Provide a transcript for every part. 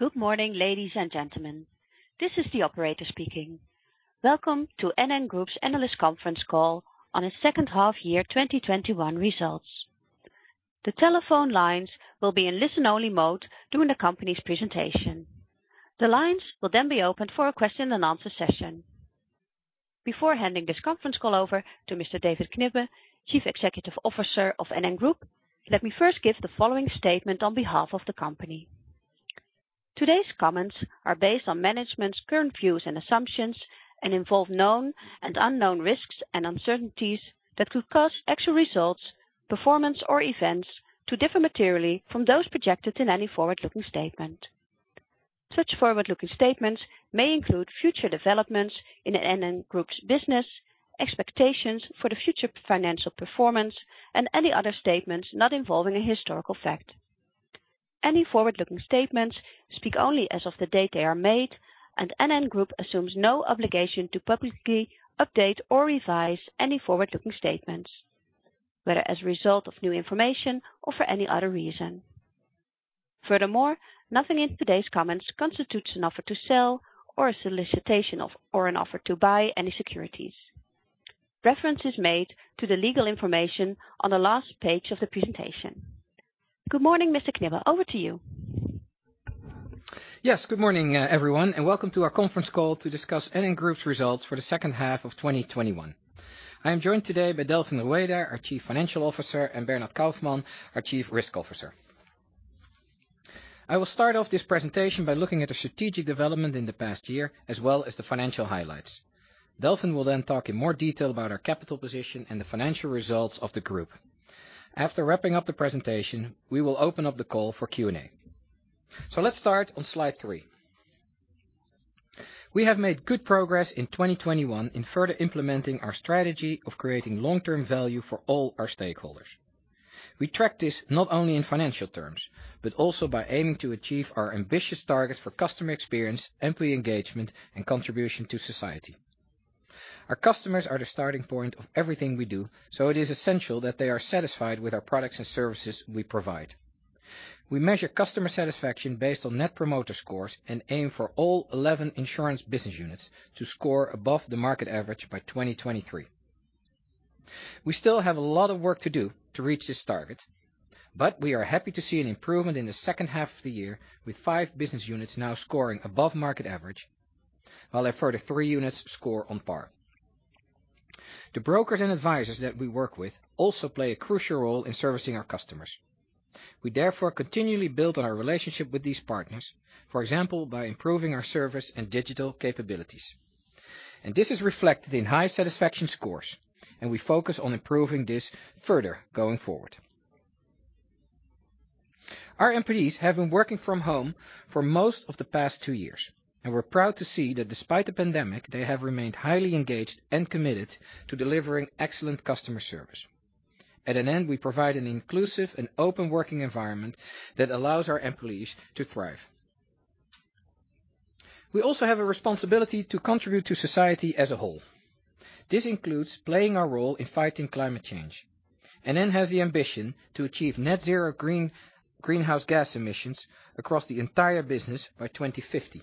Good morning, ladies and gentlemen. This is the operator speaking. Welcome to NN Group's analyst conference call on its second half year 2021 results. The telephone lines will be in listen only mode during the company's presentation. The lines will then be open for a question and answer session. Before handing this conference call over to Mr. David Knibbe, Chief Executive Officer of NN Group, let me first give the following statement on behalf of the company. Today's comments are based on management's current views and assumptions and involve known and unknown risks and uncertainties that could cause actual results, performance or events to differ materially from those projected in any forward-looking statement. Such forward-looking statements may include future developments in NN Group's business, expectations for the future financial performance and any other statements not involving a historical fact. Any forward-looking statements speak only as of the date they are made, and NN Group assumes no obligation to publicly update or revise any forward-looking statements, whether as a result of new information or for any other reason. Furthermore, nothing in today's comments constitutes an offer to sell or a solicitation of, or an offer to buy any securities. Reference is made to the legal information on the last page of the presentation. Good morning, Mr. Knibbe. Over to you. Yes, good morning, everyone, and welcome to our conference call to discuss NN Group's results for the second half of 2021. I am joined today by Delfin Rueda, our Chief Financial Officer, and Bernhard Kaufmann, our Chief Risk Officer. I will start off this presentation by looking at the strategic development in the past year as well as the financial highlights. Delfin will then talk in more detail about our capital position and the financial results of the group. After wrapping up the presentation, we will open up the call for Q&A. Let's start on slide three. We have made good progress in 2021 in further implementing our strategy of creating long-term value for all our stakeholders. We track this not only in financial terms, but also by aiming to achieve our ambitious targets for customer experience, employee engagement and contribution to society. Our customers are the starting point of everything we do, so it is essential that they are satisfied with our products and services we provide. We measure customer satisfaction based on net promoter scores and aim for all 11 insurance business units to score above the market average by 2023. We still have a lot of work to do to reach this target, but we are happy to see an improvement in the second half of the year, with five business units now scoring above market average, while a further three units score on par. The brokers and advisors that we work with also play a crucial role in servicing our customers. We therefore continually build on our relationship with these partners, for example, by improving our service and digital capabilities. This is reflected in high satisfaction scores, and we focus on improving this further going forward. Our employees have been working from home for most of the past two years, and we're proud to see that despite the pandemic, they have remained highly engaged and committed to delivering excellent customer service. At NN, we provide an inclusive and open working environment that allows our employees to thrive. We also have a responsibility to contribute to society as a whole. This includes playing our role in fighting climate change. NN has the ambition to achieve net-zero greenhouse gas emissions across the entire business by 2050.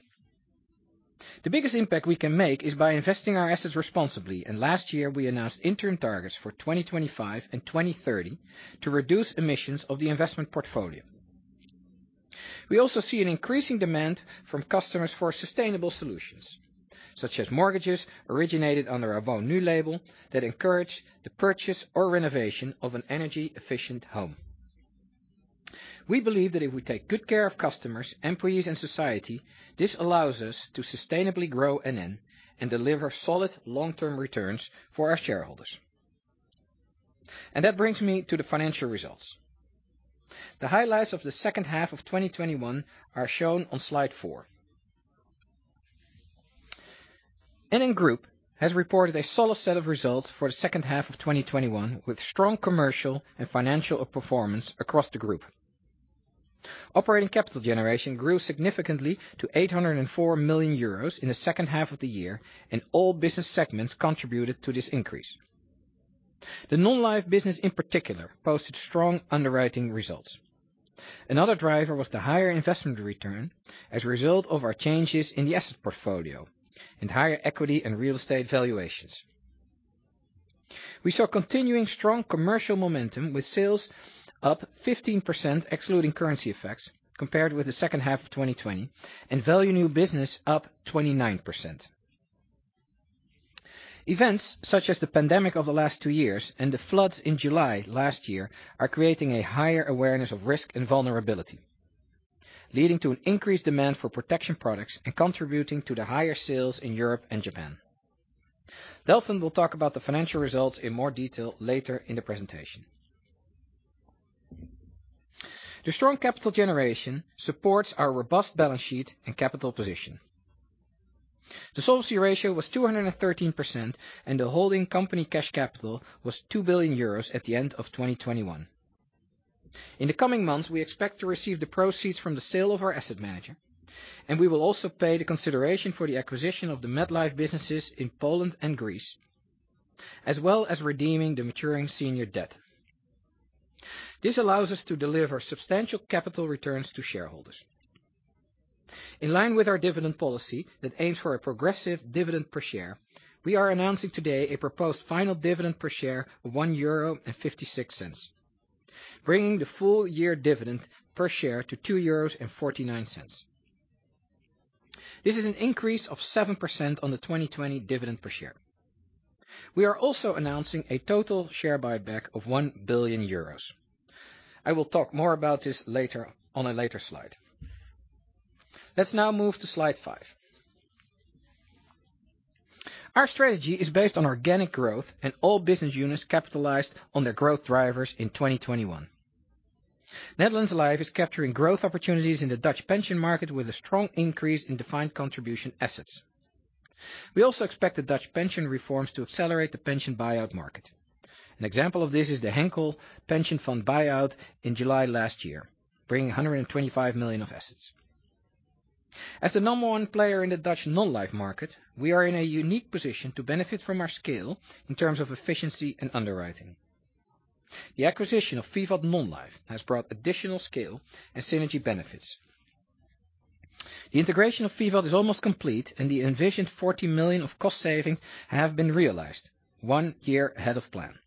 The biggest impact we can make is by investing our assets responsibly, and last year we announced interim targets for 2025 and 2030 to reduce emissions of the investment portfolio. We also see an increasing demand from customers for sustainable solutions, such as mortgages originated under our Woonnu label that encourage the purchase or renovation of an energy-efficient home. We believe that if we take good care of customers, employees and society, this allows us to sustainably grow NN and deliver solid long-term returns for our shareholders. That brings me to the financial results. The highlights of the second half of 2021 are shown on slide four. NN Group has reported a solid set of results for the second half of 2021, with strong commercial and financial performance across the group. Operating capital generation grew significantly to 804 million euros in the second half of the year, and all business segments contributed to this increase. The Non-life business in particular posted strong underwriting results. Another driver was the higher investment return as a result of our changes in the asset portfolio and higher equity and real estate valuations. We saw continuing strong commercial momentum with sales up 15% excluding currency effects compared with the second half of 2020 and value new business up 29%. Events such as the pandemic over the last two years and the floods in July last year are creating a higher awareness of risk and vulnerability, leading to an increased demand for protection products and contributing to the higher sales in Europe and Japan. Delfin will talk about the financial results in more detail later in the presentation. The strong capital generation supports our robust balance sheet and capital position. The solvency ratio was 213%, and the holding company cash capital was 2 billion euros at the end of 2021. In the coming months, we expect to receive the proceeds from the sale of our asset manager, and we will also pay the consideration for the acquisition of the MetLife businesses in Poland and Greece. As well as redeeming the maturing senior debt. This allows us to deliver substantial capital returns to shareholders. In line with our dividend policy that aims for a progressive dividend per share, we are announcing today a proposed final dividend per share of 1.56 euro, bringing the full-year dividend per share to 2.49 euros. This is an increase of 7% on the 2020 dividend per share. We are also announcing a total share buyback of 1 billion euros. I will talk more about this later on a later slide. Let's now move to slide five. Our strategy is based on organic growth, and all business units capitalized on their growth drivers in 2021. Netherlands Life is capturing growth opportunities in the Dutch pension market with a strong increase in defined contribution assets. We also expect the Dutch pension reforms to accelerate the pension buyout market. An example of this is the Henkel Pension Fund buyout in July last year, bringing 125 million of assets. As the number one player in the Dutch Non-life market, we are in a unique position to benefit from our scale in terms of efficiency and underwriting. The acquisition of VIVAT Non-life has brought additional scale and synergy benefits. The integration of VIVAT is almost complete, and the envisioned 40 million of cost savings have been realized one year ahead of plan.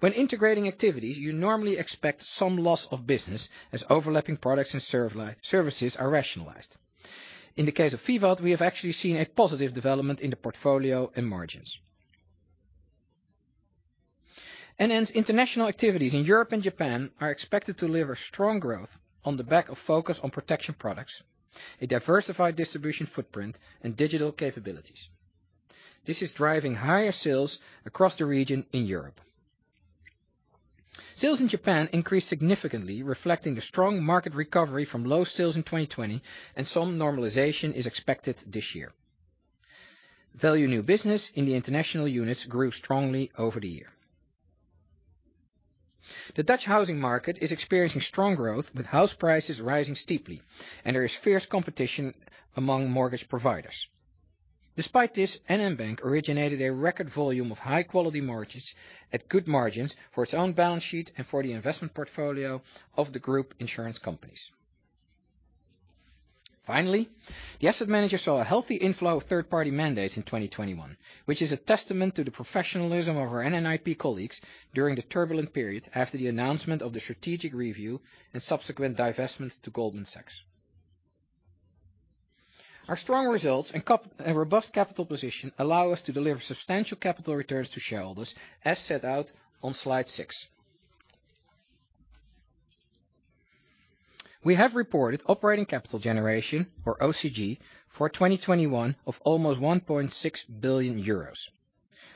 When integrating activities, you normally expect some loss of business as overlapping products and services are rationalized. In the case of VIVAT, we have actually seen a positive development in the portfolio and margins. NN's international activities in Europe and Japan are expected to deliver strong growth on the back of focus on protection products, a diversified distribution footprint, and digital capabilities. This is driving higher sales across the region in Europe. Sales in Japan increased significantly, reflecting the strong market recovery from low sales in 2020, and some normalization is expected this year. Value New business in the international units grew strongly over the year. The Dutch housing market is experiencing strong growth, with house prices rising steeply, and there is fierce competition among mortgage providers. Despite this, NN Bank originated a record volume of high-quality mortgages at good margins for its own balance sheet and for the investment portfolio of the group insurance companies. Finally, the asset manager saw a healthy inflow of third-party mandates in 2021, which is a testament to the professionalism of our NN IP colleagues during the turbulent period after the announcement of the strategic review and subsequent divestment to Goldman Sachs. Our strong results and capital and robust capital position allow us to deliver substantial capital returns to shareholders as set out on slide six. We have reported operating capital generation, or OCG, for 2021 of almost 1.6 billion euros,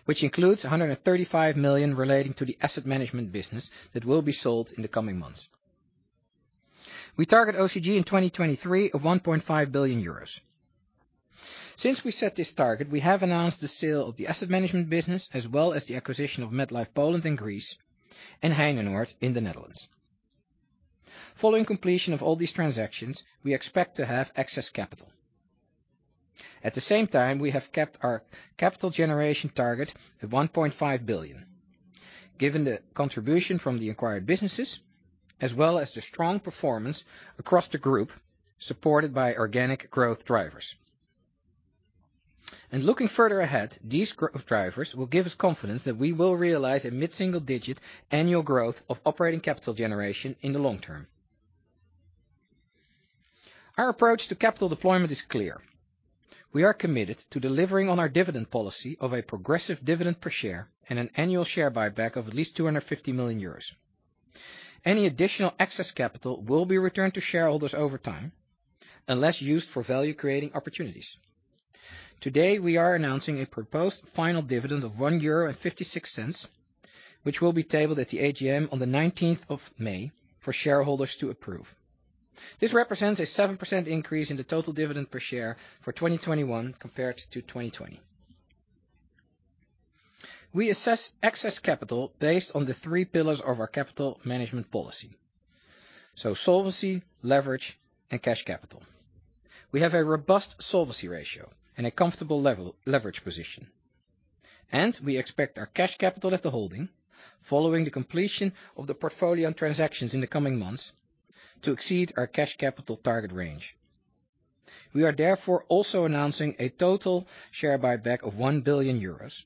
which includes 135 million relating to the asset management business that will be sold in the coming months. We target OCG in 2023 of 1.5 billion euros. Since we set this target, we have announced the sale of the asset management business as well as the acquisition of MetLife Poland and Greece and Heinenoord in the Netherlands. Following completion of all these transactions, we expect to have excess capital. At the same time, we have kept our capital generation target at 1.5 billion, given the contribution from the acquired businesses as well as the strong performance across the group, supported by organic growth drivers. Looking further ahead, these growth drivers will give us confidence that we will realize a mid-single digit annual growth of operating capital generation in the long term. Our approach to capital deployment is clear. We are committed to delivering on our dividend policy of a progressive dividend per share and an annual share buyback of at least 250 million euros. Any additional excess capital will be returned to shareholders over time, unless used for value creating opportunities. Today, we are announcing a proposed final dividend of 1.56 euro, which will be tabled at the AGM on the 19th of May for shareholders to approve. This represents a 7% increase in the total dividend per share for 2021 compared to 2020. We assess excess capital based on the three pillars of our capital management policy. Solvency, leverage, and cash capital. We have a robust solvency ratio and a comfortable leverage position. We expect our cash capital at the holding following the completion of the portfolio and transactions in the coming months to exceed our cash capital target range. We are therefore also announcing a total share buyback of 1 billion euros,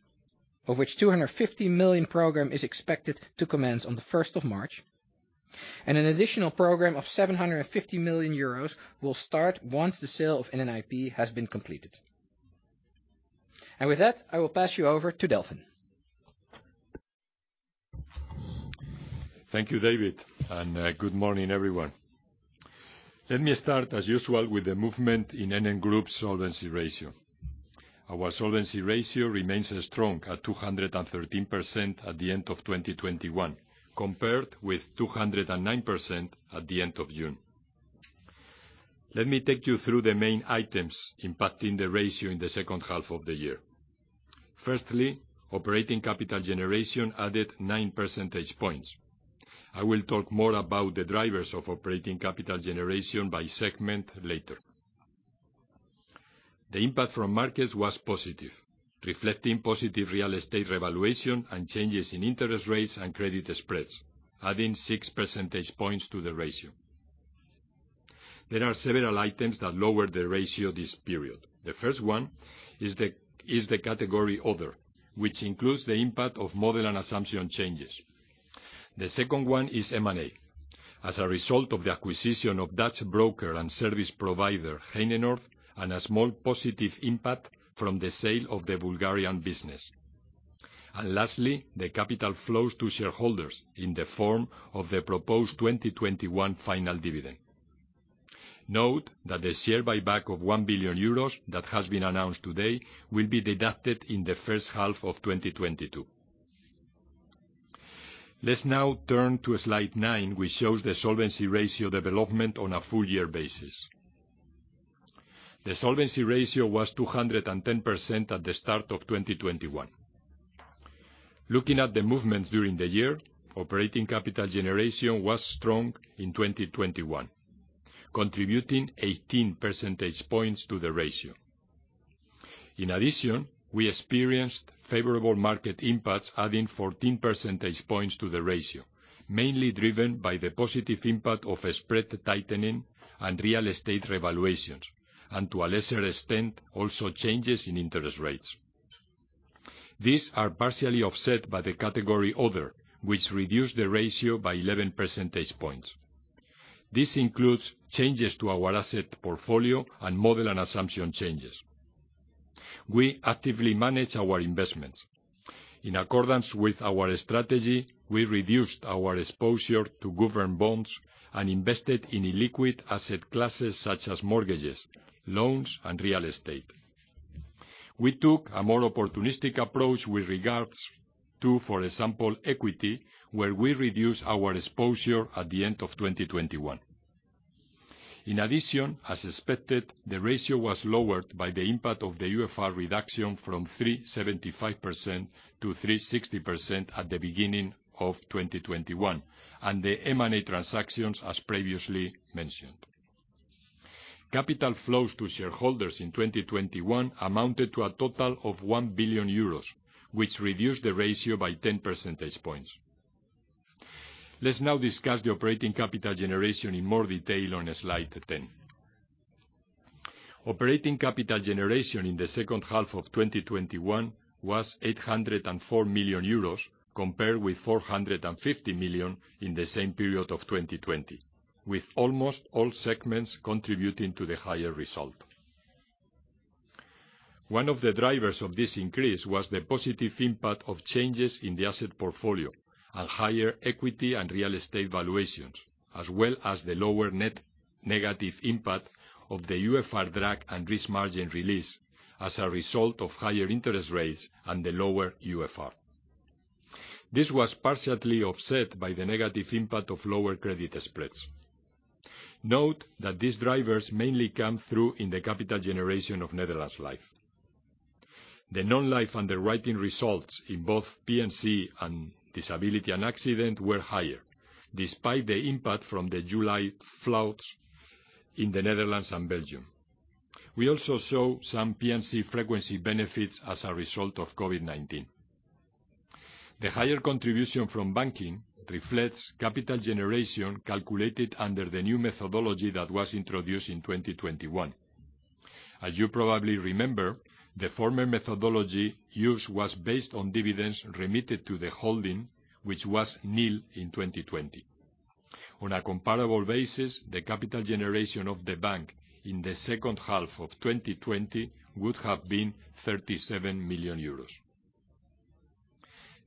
of which 250 million program is expected to commence on the 1st of March, and an additional program of 750 million euros will start once the sale of NN IP has been completed. With that, I will pass you over to Delfin. Thank you, David, and good morning, everyone. Let me start, as usual, with the movement in NN Group's solvency ratio. Our solvency ratio remains strong at 213% at the end of 2021, compared with 209% at the end of June. Let me take you through the main items impacting the ratio in the second half of the year. Firstly, operating capital generation added 9 percentage points. I will talk more about the drivers of operating capital generation by segment later. The impact from markets was positive, reflecting positive real estate revaluation and changes in interest rates and credit spreads, adding 6 percentage points to the ratio. There are several items that lowered the ratio this period. The first one is the category Other, which includes the impact of model and assumption changes. The second one is M&A, as a result of the acquisition of Dutch broker and service provider, Heinenoord, and a small positive impact from the sale of the Bulgarian business. Lastly, the capital flows to shareholders in the form of the proposed 2021 final dividend. Note that the share buyback of 1 billion euros that has been announced today will be deducted in the first half of 2022. Let's now turn to slide nine, which shows the solvency ratio development on a full year basis. The solvency ratio was 210% at the start of 2021. Looking at the movements during the year, operating capital generation was strong in 2021, contributing 18 percentage points to the ratio. In addition, we experienced favorable market impacts, adding 14 percentage points to the ratio, mainly driven by the positive impact of a spread tightening and real estate revaluations, and to a lesser extent, also changes in interest rates. These are partially offset by the category Other, which reduced the ratio by 11 percentage points. This includes changes to our asset portfolio and model and assumption changes. We actively manage our investments. In accordance with our strategy, we reduced our exposure to government bonds and invested in illiquid asset classes such as mortgages, loans, and real estate. We took a more opportunistic approach with regards to, for example, equity, where we reduced our exposure at the end of 2021. In addition, as expected, the ratio was lowered by the impact of the UFR reduction from 375%-360% at the beginning of 2021, and the M&A transactions, as previously mentioned. Capital flows to shareholders in 2021 amounted to a total of 1 billion euros, which reduced the ratio by 10 percentage points. Let's now discuss the operating capital generation in more detail on slide 10. Operating capital generation in the second half of 2021 was 804 million euros compared with 450 million in the same period of 2020, with almost all segments contributing to the higher result. One of the drivers of this increase was the positive impact of changes in the asset portfolio and higher equity and real estate valuations, as well as the lower net negative impact of the UFR drag and risk margin release as a result of higher interest rates and the lower UFR. This was partially offset by the negative impact of lower credit spreads. Note that these drivers mainly come through in the capital generation of Netherlands Life. The Non-life underwriting results in both P&C and disability and accident were higher despite the impact from the July floods in the Netherlands and Belgium. We also saw some P&C frequency benefits as a result of COVID-19. The higher contribution from banking reflects capital generation calculated under the new methodology that was introduced in 2021. As you probably remember, the former methodology used was based on dividends remitted to the holding, which was nil in 2020. On a comparable basis, the capital generation of the bank in the second half of 2020 would have been 37 million euros.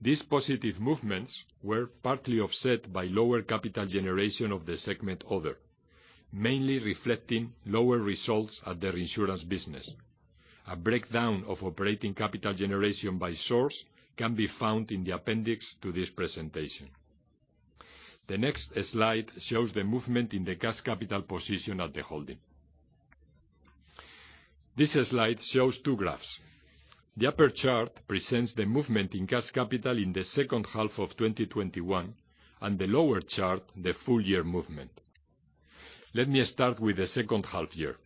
These positive movements were partly offset by lower capital generation of the segment Other, mainly reflecting lower results at the reinsurance business. A breakdown of operating capital generation by source can be found in the appendix to this presentation. The next slide shows the movement in the cash capital position at the holding. This slide shows two graphs. The upper chart presents the movement in cash capital in the second half of 2021, and the lower chart, the full year movement. Let me start with the second half year.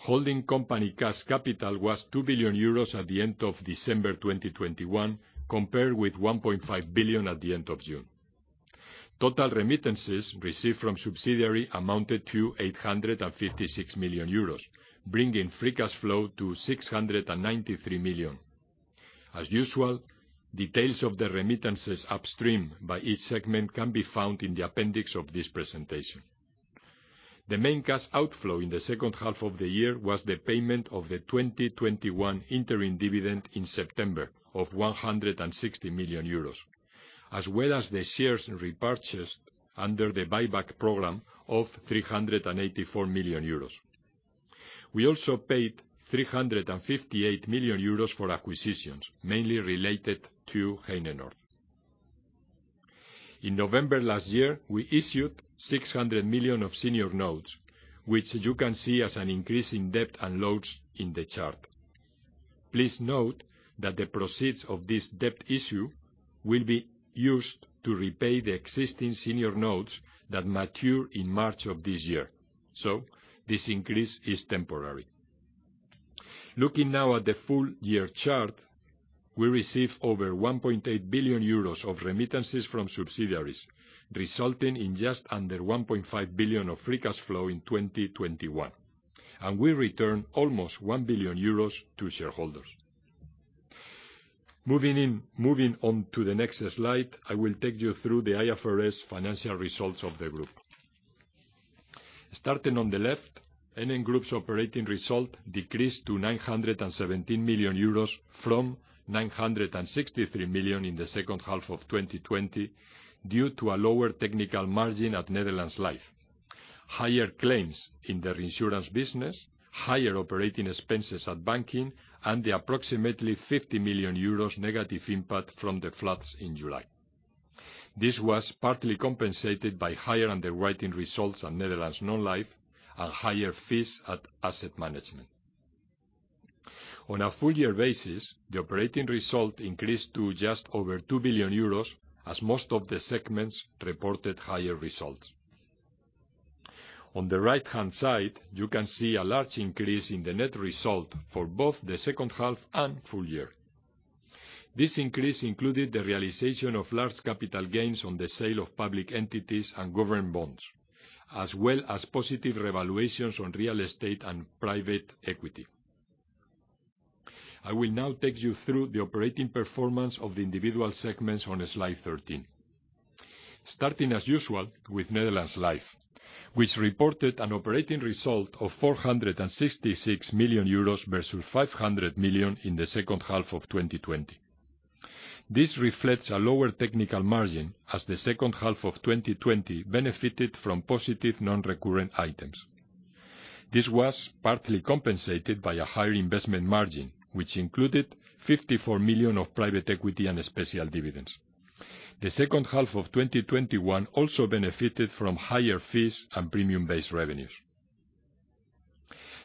Holding company cash capital was 2 billion euros at the end of December 2021, compared with 1.5 billion at the end of June. Total remittances received from subsidiary amounted to 856 million euros, bringing free cash flow to 693 million. As usual, details of the remittances upstream by each segment can be found in the appendix of this presentation. The main cash outflow in the second half of the year was the payment of the 2021 interim dividend in September of 160 million euros, as well as the shares repurchased under the buyback program of 384 million euros. We also paid 358 million euros for acquisitions, mainly related to Heinenoord. In November last year, we issued 600 million of senior notes, which you can see as an increase in debt and loans in the chart. Please note that the proceeds of this debt issue will be used to repay the existing senior notes that mature in March of this year. This increase is temporary. Looking now at the full year chart, we received over 1.8 billion euros of remittances from subsidiaries, resulting in just under 1.5 billion of free cash flow in 2021. We returned almost 1 billion euros to shareholders. Moving on to the next slide, I will take you through the IFRS financial results of the group. Starting on the left, NN Group's operating result decreased to 917 million euros from 963 million in the second half of 2020 due to a lower technical margin at Netherlands Life, higher claims in the reinsurance business, higher operating expenses at banking, and the approximately 50 million euros negative impact from the floods in July. This was partly compensated by higher underwriting results at Netherlands Non-life and higher fees at asset management. On a full year basis, the operating result increased to just over 2 billion euros as most of the segments reported higher results. On the right-hand side, you can see a large increase in the net result for both the second half and full year. This increase included the realization of large capital gains on the sale of public equities and government bonds, as well as positive revaluations on real estate and private equity. I will now take you through the operating performance of the individual segments on slide 13. Starting as usual with Netherlands Life, which reported an operating result of 466 million euros versus 500 million in the second half of 2020. This reflects a lower technical margin as the second half of 2020 benefited from positive non-recurrent items. This was partly compensated by a higher investment margin, which included 54 million of private equity and special dividends. The second half of 2021 also benefited from higher fees and premium-based revenues.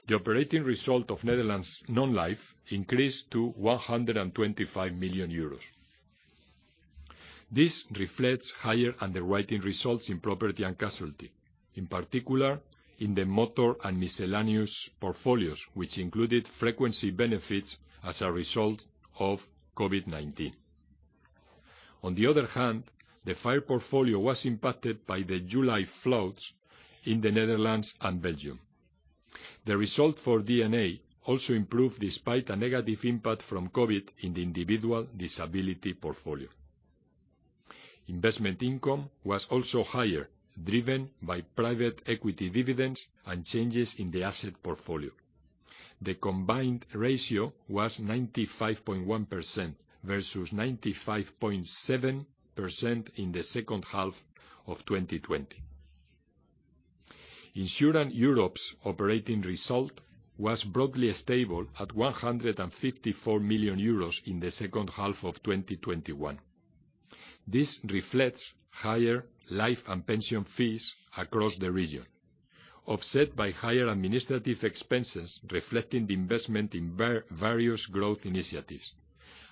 The operating result of Netherlands Non-life increased to 125 million euros. This reflects higher underwriting results in property and casualty. In particular, in the motor and miscellaneous portfolios, which included frequency benefits as a result of COVID-19. On the other hand, the fire portfolio was impacted by the July floods in the Netherlands and Belgium. The result for D&A also improved despite a negative impact from COVID in the individual disability portfolio. Investment income was also higher, driven by private equity dividends and changes in the asset portfolio. The combined ratio was 95.1% versus 95.7% in the second half of 2020. Insurance Europe's operating result was broadly stable at 154 million euros in the second half of 2021. This reflects higher Life and pension fees across the region, offset by higher administrative expenses, reflecting the investment in various growth initiatives,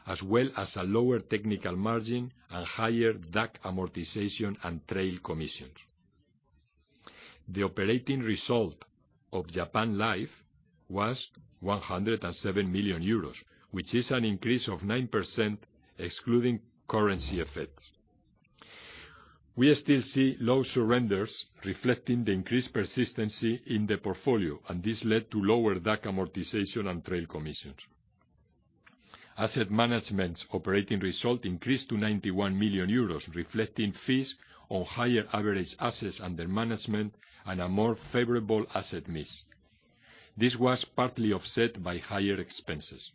as well as a lower technical margin and higher DAC amortization and trail commissions. The operating result of Japan Life was 107 million euros, which is an increase of 9% excluding currency effects. We still see low surrenders reflecting the increased persistency in the portfolio, and this led to lower DAC amortization and trail commissions. Asset Management's operating result increased to 91 million euros, reflecting fees on higher average assets under management and a more favorable asset mix. This was partly offset by higher expenses.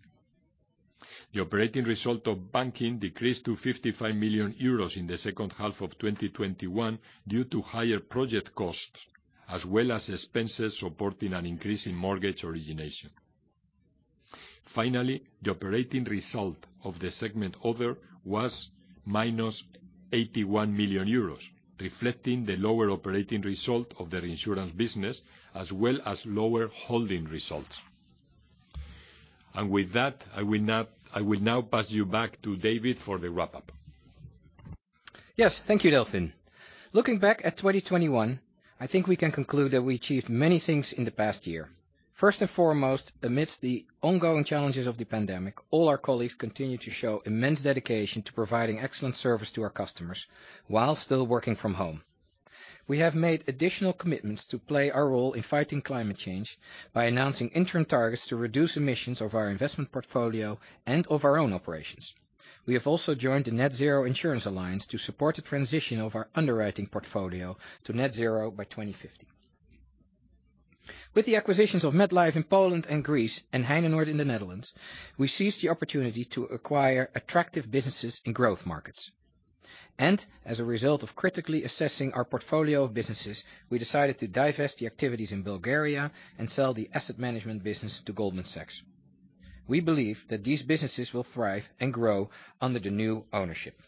The operating result of Banking decreased to 55 million euros in the second half of 2021 due to higher project costs as well as expenses supporting an increase in mortgage origination. Finally, the operating result of the Other segment was -81 million euros, reflecting the lower operating result of the reinsurance business, as well as lower holding results. With that, I will now pass you back to David for the wrap-up. Yes. Thank you, Delfin. Looking back at 2021, I think we can conclude that we achieved many things in the past year. First and foremost, amidst the ongoing challenges of the pandemic, all our colleagues continued to show immense dedication to providing excellent service to our customers while still working from home. We have made additional commitments to play our role in fighting climate change by announcing interim targets to reduce emissions of our investment portfolio and of our own operations. We have also joined the Net-Zero Insurance Alliance to support the transition of our underwriting portfolio to net zero by 2050. With the acquisitions of MetLife in Poland and Greece and Heinenoord in the Netherlands, we seized the opportunity to acquire attractive businesses in growth markets. As a result of critically assessing our portfolio of businesses, we decided to divest the activities in Bulgaria and sell the asset management business to Goldman Sachs. We believe that these businesses will thrive and grow under the new ownership.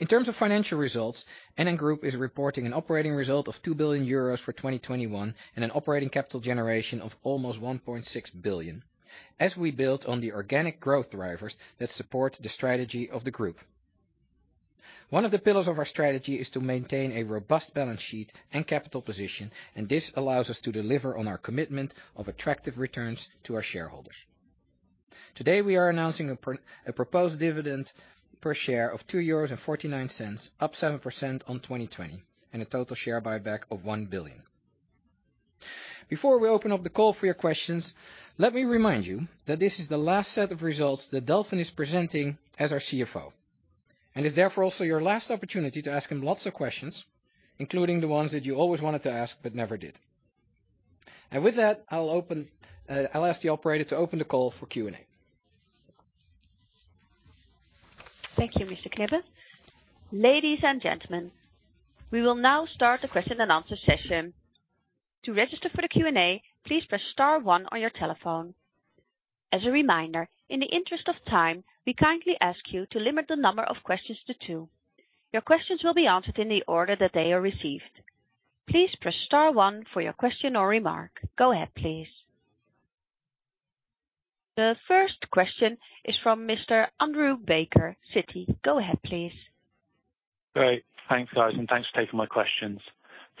In terms of financial results, NN Group is reporting an operating result of 2 billion euros for 2021, and an operating capital generation of almost 1.6 billion. As we build on the organic growth drivers that support the strategy of the group. One of the pillars of our strategy is to maintain a robust balance sheet and capital position, and this allows us to deliver on our commitment of attractive returns to our shareholders. Today, we are announcing a proposed dividend per share of 2.49 euros, up 7% on 2020, and a total share buyback of 1 billion. Before we open up the call for your questions, let me remind you that this is the last set of results that Delfin is presenting as our CFO, and is therefore also your last opportunity to ask him lots of questions, including the ones that you always wanted to ask but never did. With that, I'll open, I'll ask the operator to open the call for Q&A. Thank you, Mr. Knibbe. Ladies and gentlemen, we will now start the question and answer session. To register for the Q&A, please press star one on your telephone. As a reminder, in the interest of time, we kindly ask you to limit the number of questions to two. Your questions will be answered in the order that they are received. Please press star one for your question or remark. Go ahead, please. The first question is from Mr. Andrew Baker, Citi. Go ahead, please. Great. Thanks, guys, and thanks for taking my questions.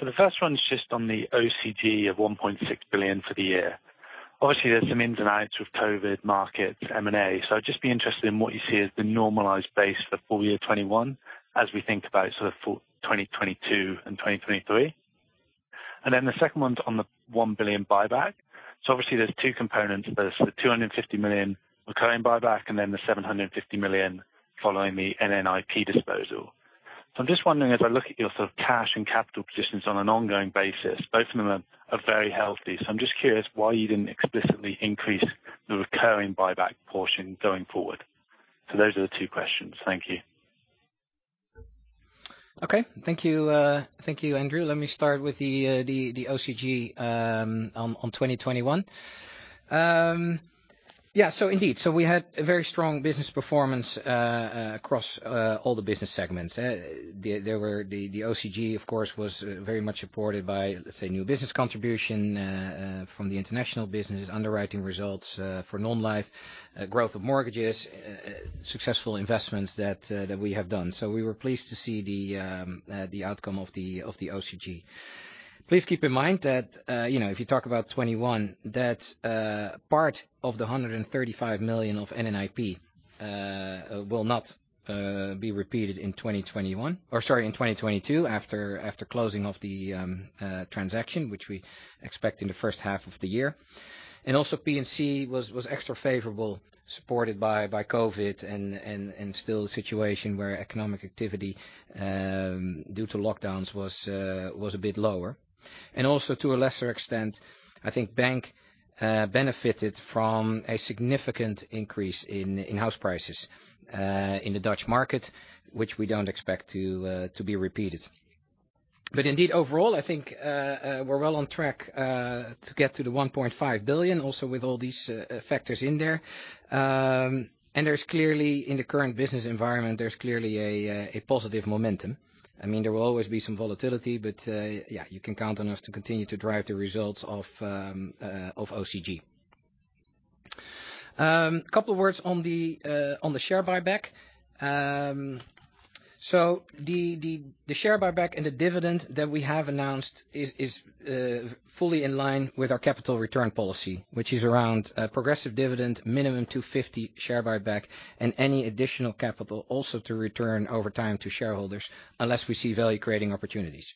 The first one is just on the OCG of 1.6 billion for the year. Obviously, there's some ins and outs with COVID, markets, M&A. I'd just be interested in what you see as the normalized base for full year 2021, as we think about sort of full 2022 and 2023. Then the second one's on the 1 billion buyback. Obviously there's two components. There's the 250 million recurring buyback and then the 750 million following the NN IP disposal. I'm just wondering, as I look at your sort of cash and capital positions on an ongoing basis, both of them are very healthy. I'm just curious why you didn't explicitly increase the recurring buyback portion going forward. Those are the two questions. Thank you. Okay. Thank you. Thank you, Andrew. Let me start with the OCG on 2021. Yeah, indeed, we had a very strong business performance across all the business segments. The OCG, of course, was very much supported by, let's say, new business contribution from the international businesses, underwriting results for Non-life, growth of mortgages, successful investments that we have done. We were pleased to see the outcome of the OCG. Please keep in mind that, you know, if you talk about 2021, that part of the 135 million of NN IP will not be repeated in 2021, or sorry, in 2022, after closing of the transaction, which we expect in the first half of the year. P&C was extra favorable, supported by COVID and still a situation where economic activity due to lockdowns was a bit lower. To a lesser extent, I think bank benefited from a significant increase in house prices in the Dutch market, which we don't expect to be repeated. Indeed, overall, I think we're well on track to get to the 1.5 billion, also with all these factors in there. There's clearly, in the current business environment, there's clearly a positive momentum. I mean, there will always be some volatility, but yeah, you can count on us to continue to drive the results of OCG. A couple words on the share buyback. The share buyback and the dividend that we have announced is fully in line with our capital return policy, which is around a progressive dividend, minimum 250 million share buyback, and any additional capital also to return over time to shareholders, unless we see value-creating opportunities.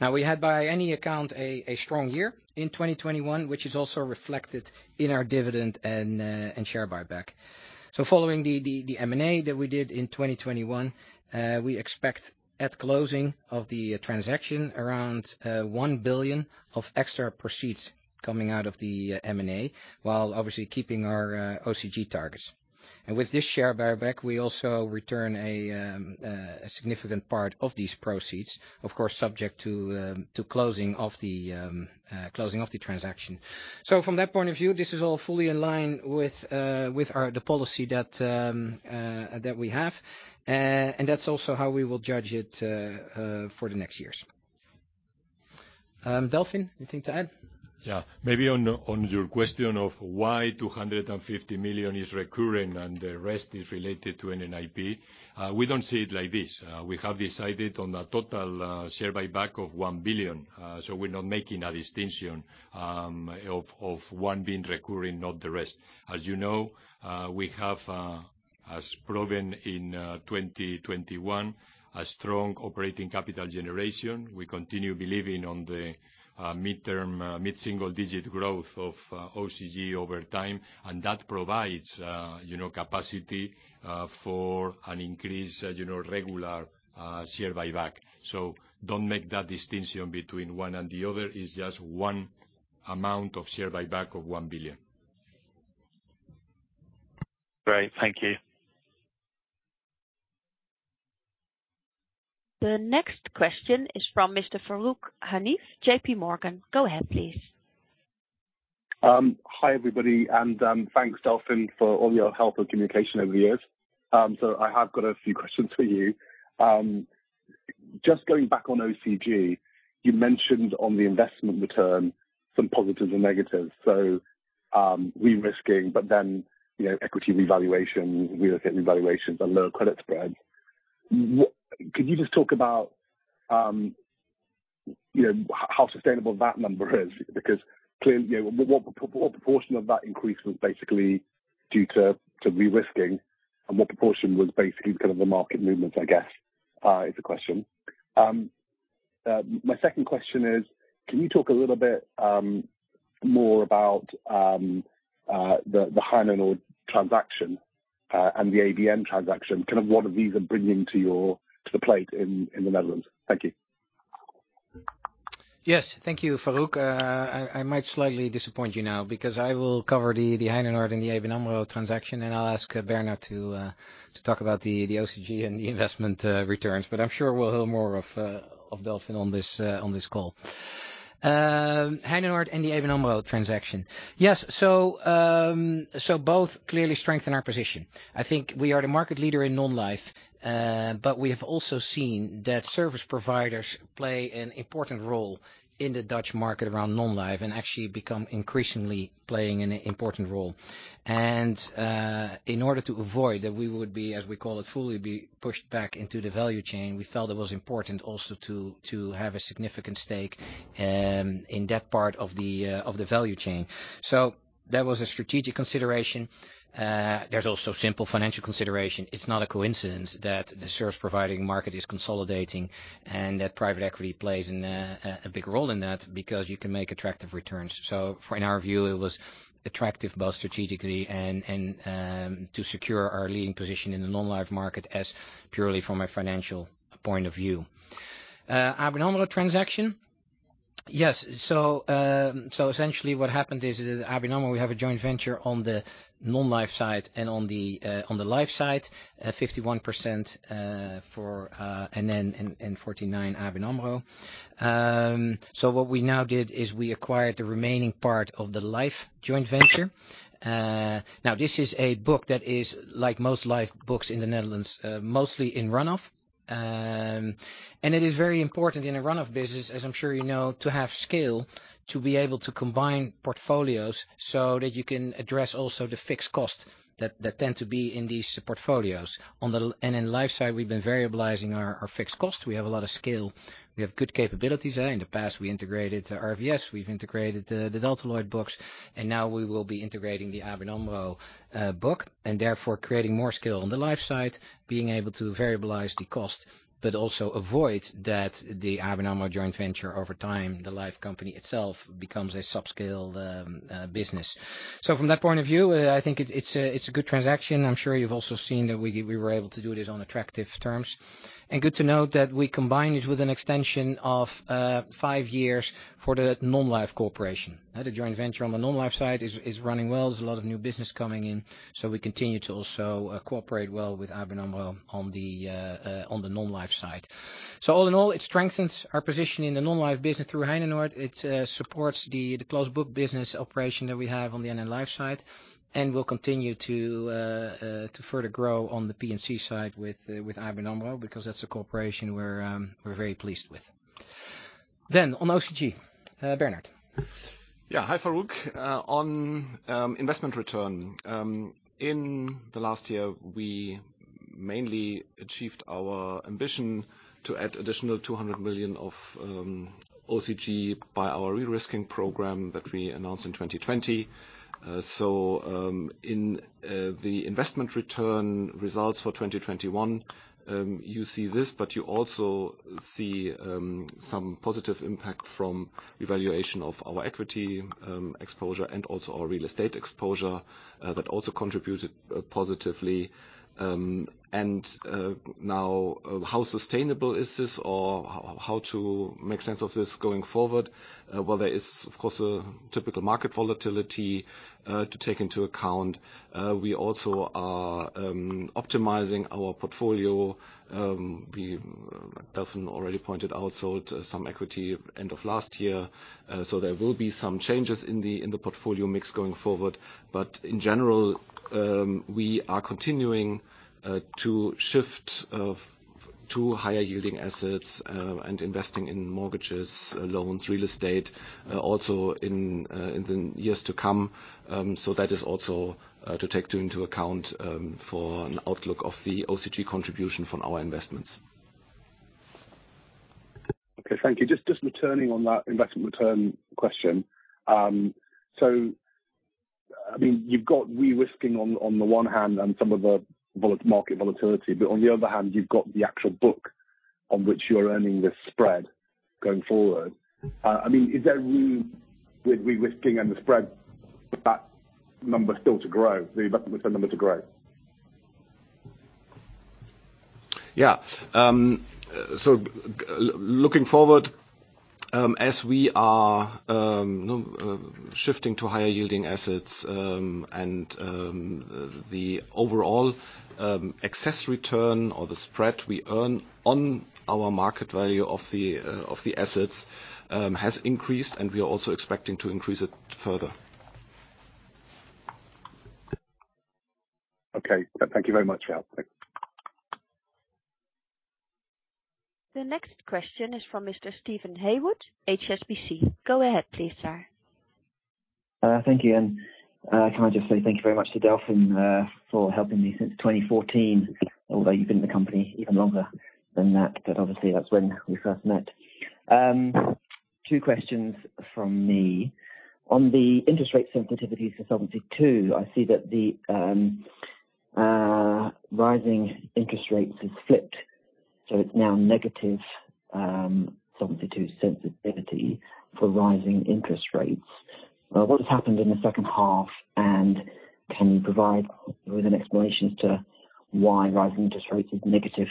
Now, we had, by any account, a strong year in 2021, which is also reflected in our dividend and share buyback. Following the M&A that we did in 2021, we expect at closing of the transaction around 1 billion of extra proceeds coming out of the M&A, while obviously keeping our OCG targets. With this share buyback, we also return a significant part of these proceeds, of course, subject to closing of the transaction. From that point of view, this is all fully in line with our policy that we have. That's also how we will judge it for the next years. Delfin, anything to add? Yeah. Maybe on your question of why 250 million is recurring and the rest is related to NN IP, we don't see it like this. We have decided on a total share buyback of 1 billion, so we're not making a distinction of one being recurring, not the rest. As you know, we have, as proven in 2021, a strong operating capital generation. We continue believing on the midterm, mid-single digit growth of OCG over time, and that provides you know, capacity for an increased you know, regular share buyback. Don't make that distinction between one and the other. It's just one amount of share buyback of 1 billion. Great. Thank you. The next question is from Mr. Farooq Hanif, JPMorgan. Go ahead, please. Hi everybody, and thanks Delfin for all your help and communication over the years. I have got a few questions for you. Just going back on OCG, you mentioned on the investment return some positives and negatives. Re-risking, but then, you know, equity revaluation, real estate revaluations and lower credit spreads. Could you just talk about, you know, how sustainable that number is? Because clearly, you know, what proportion of that increase was basically due to re-risking, and what proportion was basically kind of the market movements, I guess, is the question. My second question is, can you talk a little bit more about the Heinenoord transaction, and the ABN AMRO transaction, kind of what these are bringing to the table in the Netherlands? Thank you. Yes, thank you, Farooq. I might slightly disappoint you now because I will cover the Heinenoord and the ABN AMRO transaction, and I'll ask Bernhard to talk about the OCG and the investment returns. I'm sure we'll hear more of Delfin on this call. Heinenoord and the ABN AMRO transaction. Yes, both clearly strengthen our position. I think we are the market leader in Non-life. We have also seen that service providers play an important role in the Dutch market around Non-life, and actually becoming increasingly playing an important role. In order to avoid that we would be, as we call it, fully pushed back into the value chain. We felt it was important also to have a significant stake in that part of the value chain. That was a strategic consideration. There's also simple financial consideration. It's not a coincidence that the service providing market is consolidating and that private equity plays a big role in that because you can make attractive returns. In our view, it was attractive both strategically and to secure our leading position in the Non-life market and purely from a financial point of view. ABN AMRO transaction. Yes. Essentially what happened is at ABN AMRO we have a joint venture on the Non-life side and on the Life side, 51% for NN and 49% ABN AMRO. What we now did is we acquired the remaining part of the Life joint venture. Now this is a book that is like most Life books in the Netherlands, mostly in run-off. It is very important in a run-off business, as I'm sure you know, to have scale, to be able to combine portfolios so that you can address also the fixed cost that tend to be in these portfolios. In Life side, we've been variablizing our fixed cost. We have a lot of scale. We have good capabilities there. In the past, we integrated RVS, we've integrated the Delta Lloyd books, and now we will be integrating the ABN AMRO book, and therefore creating more scale on the Life side, being able to variablize the cost, but also avoid that the ABN AMRO joint venture over time, the Life company itself becomes a sub-scale business. From that point of view, I think it's a good transaction. I'm sure you've also seen that we were able to do this on attractive terms. Good to note that we combined it with an extension of five years for the Non-life corporation. The joint venture on the Non-life side is running well. There's a lot of new business coming in, so we continue to also cooperate well with ABN AMRO on the Non-life side. All in all, it strengthens our position in the Non-life business through Heinenoord. It supports the closed book business operation that we have on the NN Life side. We'll continue to further grow on the P&C side with ABN AMRO, because that's a cooperation we're very pleased with. On OCG. Bernhard. Yeah. Hi, Farooq. On investment return. In the last year, we mainly achieved our ambition to add additional 200 million of OCG by our re-risking program that we announced in 2020. In the investment return results for 2021, you see this, but you also see some positive impact from revaluation of our equity exposure and also our real estate exposure that also contributed positively. Now, how sustainable is this or how to make sense of this going forward? Well there is of course a typical market volatility to take into account. We also are optimizing our portfolio. Delfin already pointed out, sold some equity end of last year. There will be some changes in the portfolio mix going forward. In general, we are continuing to shift to higher yielding assets and investing in mortgages, loans, real estate also in the years to come. That is also to take into account for an outlook of the OCG contribution from our investments. Okay, thank you. Just returning on that investment return question. I mean, you've got re-risking on the one hand and some of the market volatility, but on the other hand, you've got the actual book on which you're earning this spread going forward. I mean, is there room with re-risking and the spread for that number still to grow, the investment return number to grow? Yeah. Looking forward, as we are shifting to higher yielding assets, and the overall excess return or the spread we earn on our market value of the assets has increased, and we are also expecting to increase it further. Okay. Thank you very much, all. Thanks. The next question is from Mr. Steven Haywood, HSBC. Go ahead, please, sir. Thank you. Can I just say thank you very much to Delfin for helping me since 2014, although you've been in the company even longer than that. Obviously that's when we first met. Two questions from me. On the interest rate sensitivity for Solvency II, I see that the rising interest rates has flipped, so it's now negative Solvency II sensitivity for rising interest rates. What has happened in the second half, and can you provide with an explanation as to why rising interest rates is negative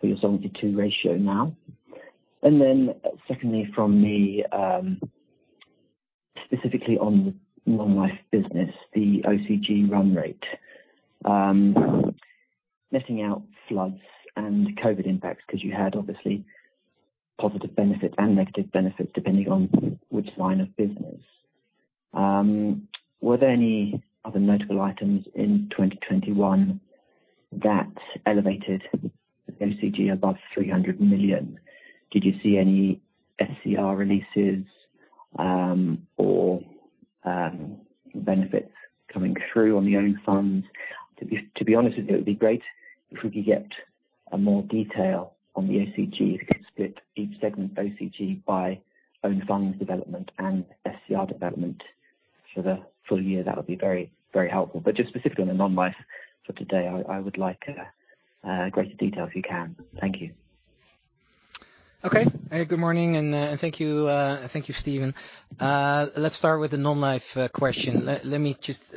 for your Solvency II ratio now? Secondly from me, specifically on Non-life business, the OCG run rate. Missing out floods and COVID impacts, 'cause you had obviously positive benefits and negative benefits depending on which line of business. Were there any other notable items in 2021 that elevated OCG above 300 million? Did you see any SCR releases, or benefits coming through on the own funds? To be honest with you, it would be great if we could get more detail on the OCG. If you could split each segment OCG by own funds development and SCR development for the full year, that would be very, very helpful. But just specifically on the Non-life for today, I would like greater detail if you can. Thank you. Hey, good morning. Thank you, Steven. Let's start with the Non-life question. Let me just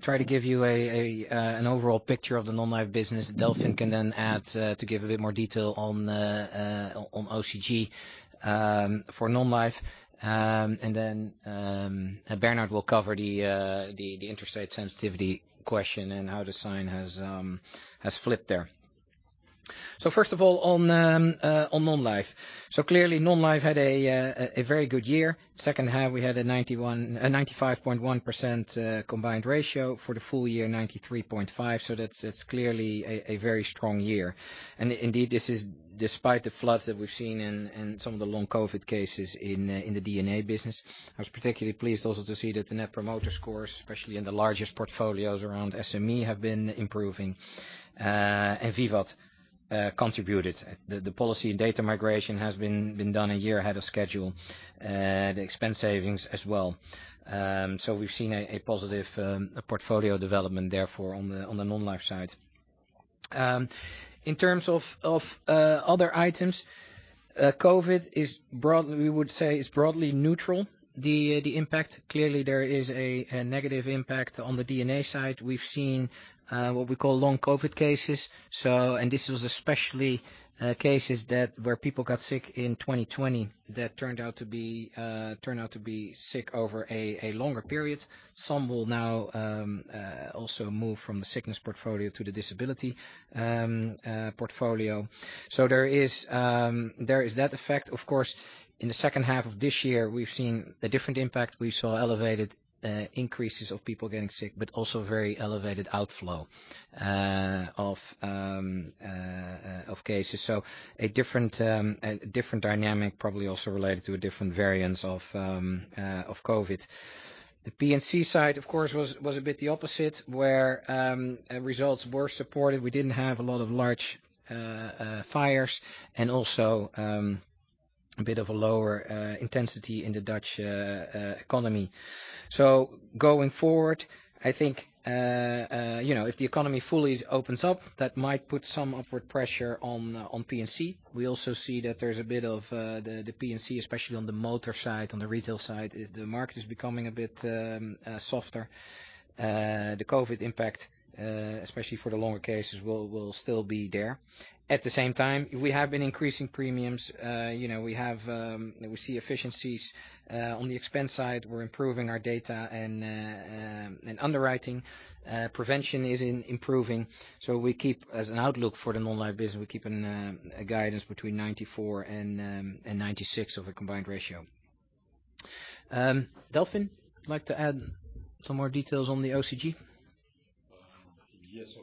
try to give you an overall picture of the Non-life business. Delfin can then add to give a bit more detail on OCG for Non-life. And then Bernhard will cover the interest rate sensitivity question and how the sign has flipped there. First of all on Non-life. Clearly Non-life had a very good year. Second half, we had a 95.1% combined ratio. For the full year, 93.5%. That's clearly a very strong year. Indeed, this is despite the floods that we've seen and some of the long COVID cases in the Non-life business. I was particularly pleased also to see that the net promoter scores, especially in the largest portfolios around SME, have been improving. VIVAT contributed. The policy and data migration has been done a year ahead of schedule. The expense savings as well. We've seen a positive portfolio development therefore on the Non-life side. In terms of other items, COVID, we would say, is broadly neutral, the impact. Clearly there is a negative impact on the D&A side. We've seen what we call long COVID cases, so. This was especially cases where people got sick in 2020 that turned out to be sick over a longer period. Some will now also move from the sickness portfolio to the disability portfolio. There is that effect. Of course, in the second half of this year, we've seen a different impact. We saw elevated increases of people getting sick, but also very elevated outflow of cases. A different dynamic, probably also related to a different variant of COVID. The P&C side, of course, was a bit the opposite, where results were supported. We didn't have a lot of large fires, and also a bit of a lower intensity in the Dutch economy. Going forward, I think, you know, if the economy fully opens up, that might put some upward pressure on P&C. We also see that there's a bit of the P&C, especially on the motor side, on the retail side, the market is becoming a bit softer. The COVID impact, especially for the longer cases, will still be there. At the same time, we have been increasing premiums. You know, we see efficiencies on the expense side. We're improving our data and underwriting. Prevention is improving. We keep as an outlook for the Non-life business a guidance between 94% and 96% of a combined ratio. Delfin, would you like to add some more details on the OCG? Yes.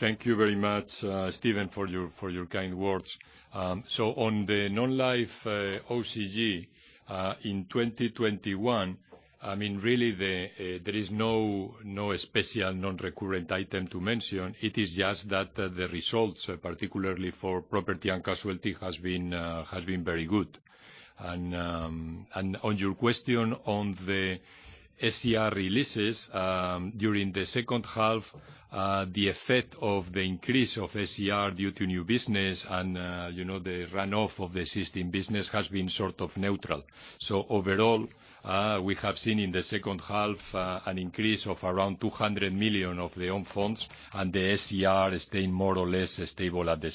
Thank you very much, Steven, for your kind words. On the Non-life OCG in 2021, I mean, really there is no special non-recurrent item to mention. It is just that the results, particularly for property and casualty, has been very good. On your question on the SCR releases, during the second half, the effect of the increase of SCR due to new business and, you know, the run-off of the existing business has been sort of neutral. Overall, we have seen in the second half an increase of around 200 million of the own funds and the SCR staying more or less stable at the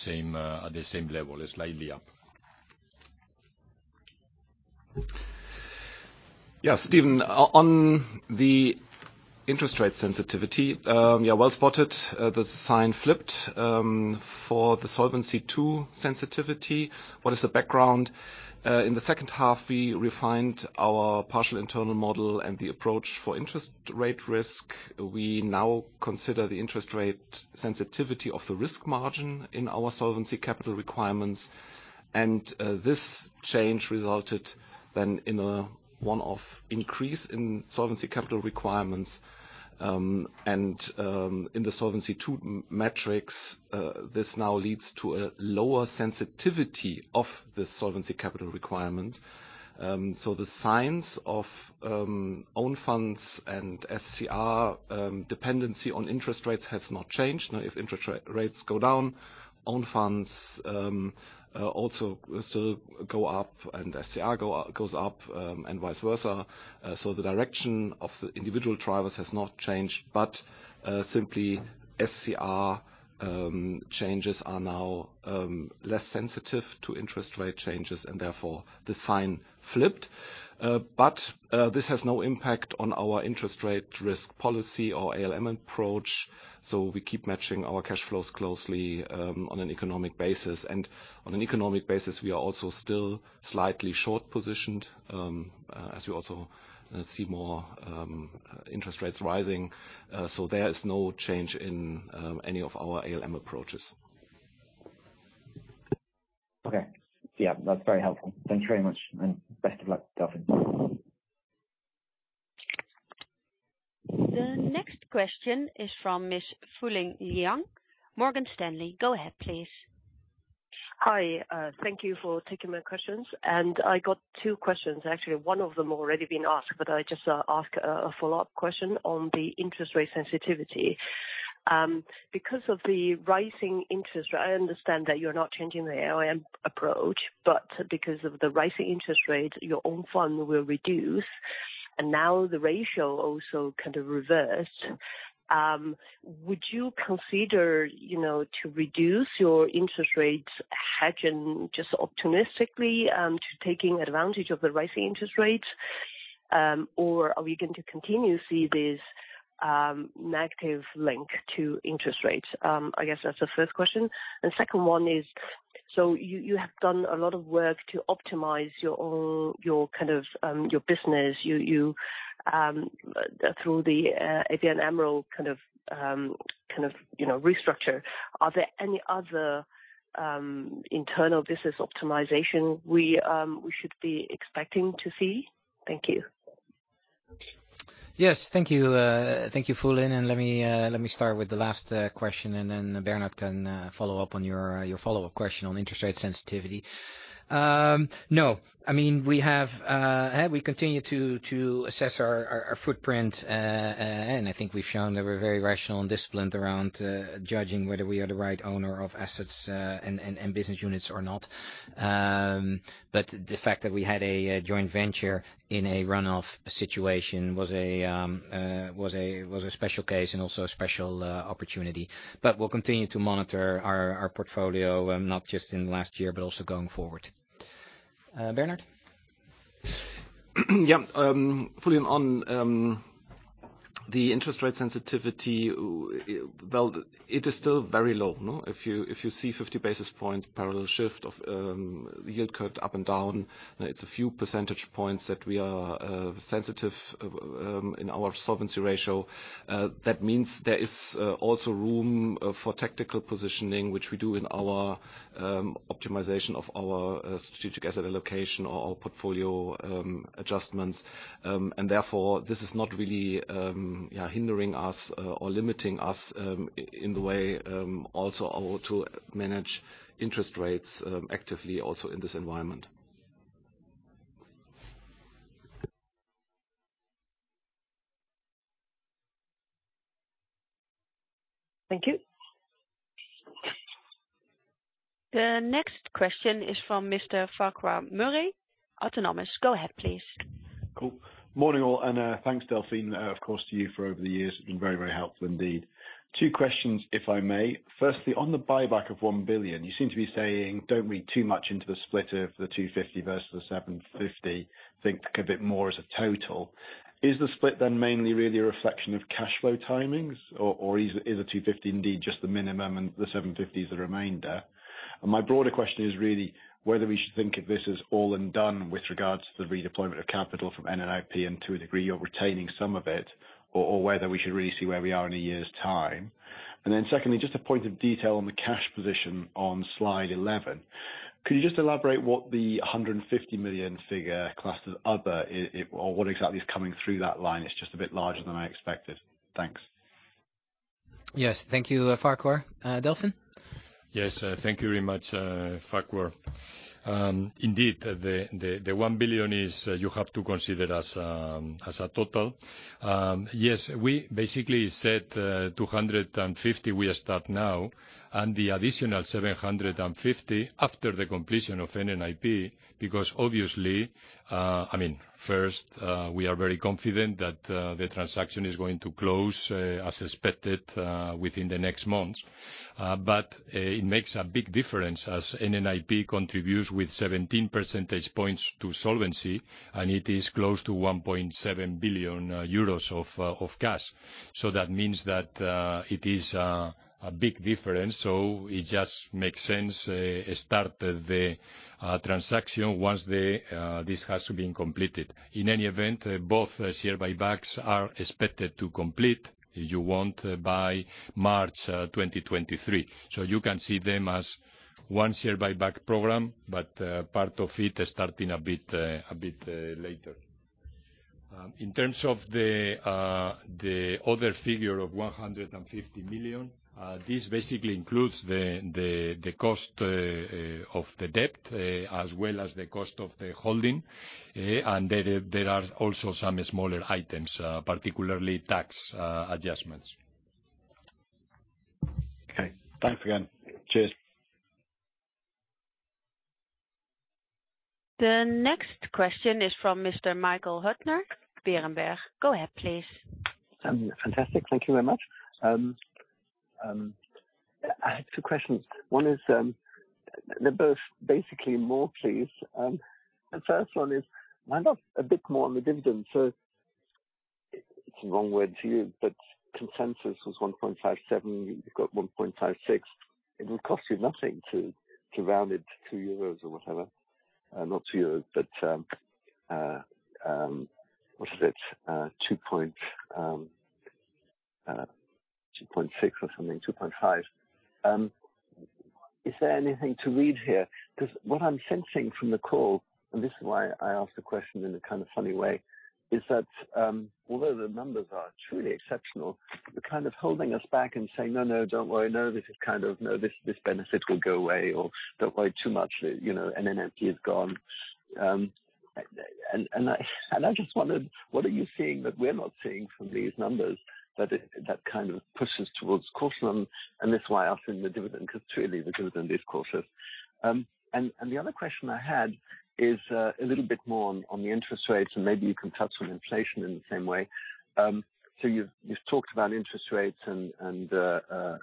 same level, slightly up. Yeah, Steven, on the interest rate sensitivity, yeah, well spotted. The sign flipped for the Solvency II sensitivity. What is the background? In the second half, we refined our partial internal model and the approach for interest rate risk. We now consider the interest rate sensitivity of the risk margin in our solvency capital requirements. This change resulted then in a one-off increase in solvency capital requirements. In the Solvency II metrics, this now leads to a lower sensitivity of the solvency capital requirement. The signs of own funds and SCR dependency on interest rates has not changed. Now, if interest rates go down, own funds also still go up and SCR goes up, and vice versa. The direction of the individual drivers has not changed, but simply SCR changes are now less sensitive to interest rate changes and therefore the sign flipped. This has no impact on our interest rate risk policy or ALM approach, so we keep matching our cash flows closely on an economic basis. On an economic basis, we are also still slightly short positioned as we also see more interest rates rising. There is no change in any of our ALM approaches. Okay. Yeah, that's very helpful. Thanks very much. Best of luck, Delfin. The next question is from Miss Fulin Liang, Morgan Stanley. Go ahead, please. Hi. Thank you for taking my questions, and I got two questions. Actually, one of them already been asked, but I just ask a follow-up question on the interest rate sensitivity. Because of the rising interest, I understand that you're not changing the ALM approach, but because of the rising interest rate, your own fund will reduce, and now the ratio also kind of reversed. Would you consider, you know, to reduce your interest rates hedging just optimistically to taking advantage of the rising interest rates, or are we going to continue to see this negative link to interest rates? I guess that's the first question. The second one is, so you have done a lot of work to optimize your own, your kind of business through the ABN AMRO kind of, you know, restructure. Are there any other internal business optimization we should be expecting to see? Thank you. Yes. Thank you. Thank you, Fulin. Let me start with the last question, and then Bernhard can follow up on your follow-up question on interest rate sensitivity. No. I mean, we continue to assess our footprint. I think we've shown that we're very rational and disciplined around judging whether we are the right owner of assets and business units or not. The fact that we had a joint venture in a runoff situation was a special case and also a special opportunity. We'll continue to monitor our portfolio, not just in last year, but also going forward. Bernhard? Yeah. Fulin, on the interest rate sensitivity, well, it is still very low. No? If you see 50 basis points parallel shift of yield curve up and down, it's a few percentage points that we are sensitive in our solvency ratio. That means there is also room for tactical positioning, which we do in our optimization of our strategic asset allocation or our portfolio adjustments. Therefore, this is not really hindering us or limiting us in the way allows us to manage interest rates actively in this environment. Thank you. The next question is from Mr. Farquhar Murray, Autonomous. Go ahead, please. Cool. Morning, all, and thanks, Delfin, of course, to you for over the years. It's been very, very helpful indeed. Two questions, if I may. Firstly, on the buyback of 1 billion, you seem to be saying don't read too much into the split of the 250 million versus the 750 million. Think a bit more as a total. Is the split then mainly really a reflection of cash flow timings? Or is the 250 million indeed just the minimum and the 750 million is the remainder? My broader question is really whether we should think of this as all and done with regards to the redeployment of capital from NN IP and to a degree you're retaining some of it or whether we should really see where we are in a year's time. Secondly, just a point of detail on the cash position on slide 11. Could you just elaborate what the 150 million figure classed as other or what exactly is coming through that line? It's just a bit larger than I expected. Thanks. Yes. Thank you, Farquhar. Delfin? Yes. Thank you very much, Farquhar. Indeed, the 1 billion is you have to consider as a total. Yes, we basically said 250 million we start now and the additional 750 million after the completion of NN IP, because obviously, I mean, first, we are very confident that the transaction is going to close as expected within the next months. But it makes a big difference as NN IP contributes with 17 percentage points to solvency, and it is close to 1.7 billion euros of cash. That means that it is a big difference. It just makes sense start the transaction once this has been completed. In any event, both share buybacks are expected to complete by March 2023. You can see them as one share buyback program, but part of it starting a bit later. In terms of the other figure of 150 million, this basically includes the cost of the debt, as well as the cost of the holding, and there are also some smaller items, particularly tax adjustments. Okay. Thanks again. Cheers. The next question is from Mr. Michael Huttner, Berenberg. Go ahead, please. Fantastic. Thank you very much. I have two questions. One is, they're both basically more or less. The first one is, why not a bit more on the dividend? So it's the wrong word to use, but consensus was 1.57, you've got 1.56. It would cost you nothing to round it to 2 euros or whatever. Not 2 euros, but what is it, 2.6 or something, 2.5. Is there anything to read here? Because what I'm sensing from the call, and this is why I ask the question in a kind of funny way, is that although the numbers are truly exceptional, you're kind of holding us back and saying, "No, no, don't worry. No, this is kind of. No, this benefit will go away, or don't worry too much, you know, NN IP is gone." I just wondered, what are you seeing that we're not seeing from these numbers that kind of pushes towards caution? That's why I ask in the dividend, 'cause truly the dividend is cautious. The other question I had is a little bit more on the interest rates, and maybe you can touch on inflation in the same way. You've talked about interest rates and the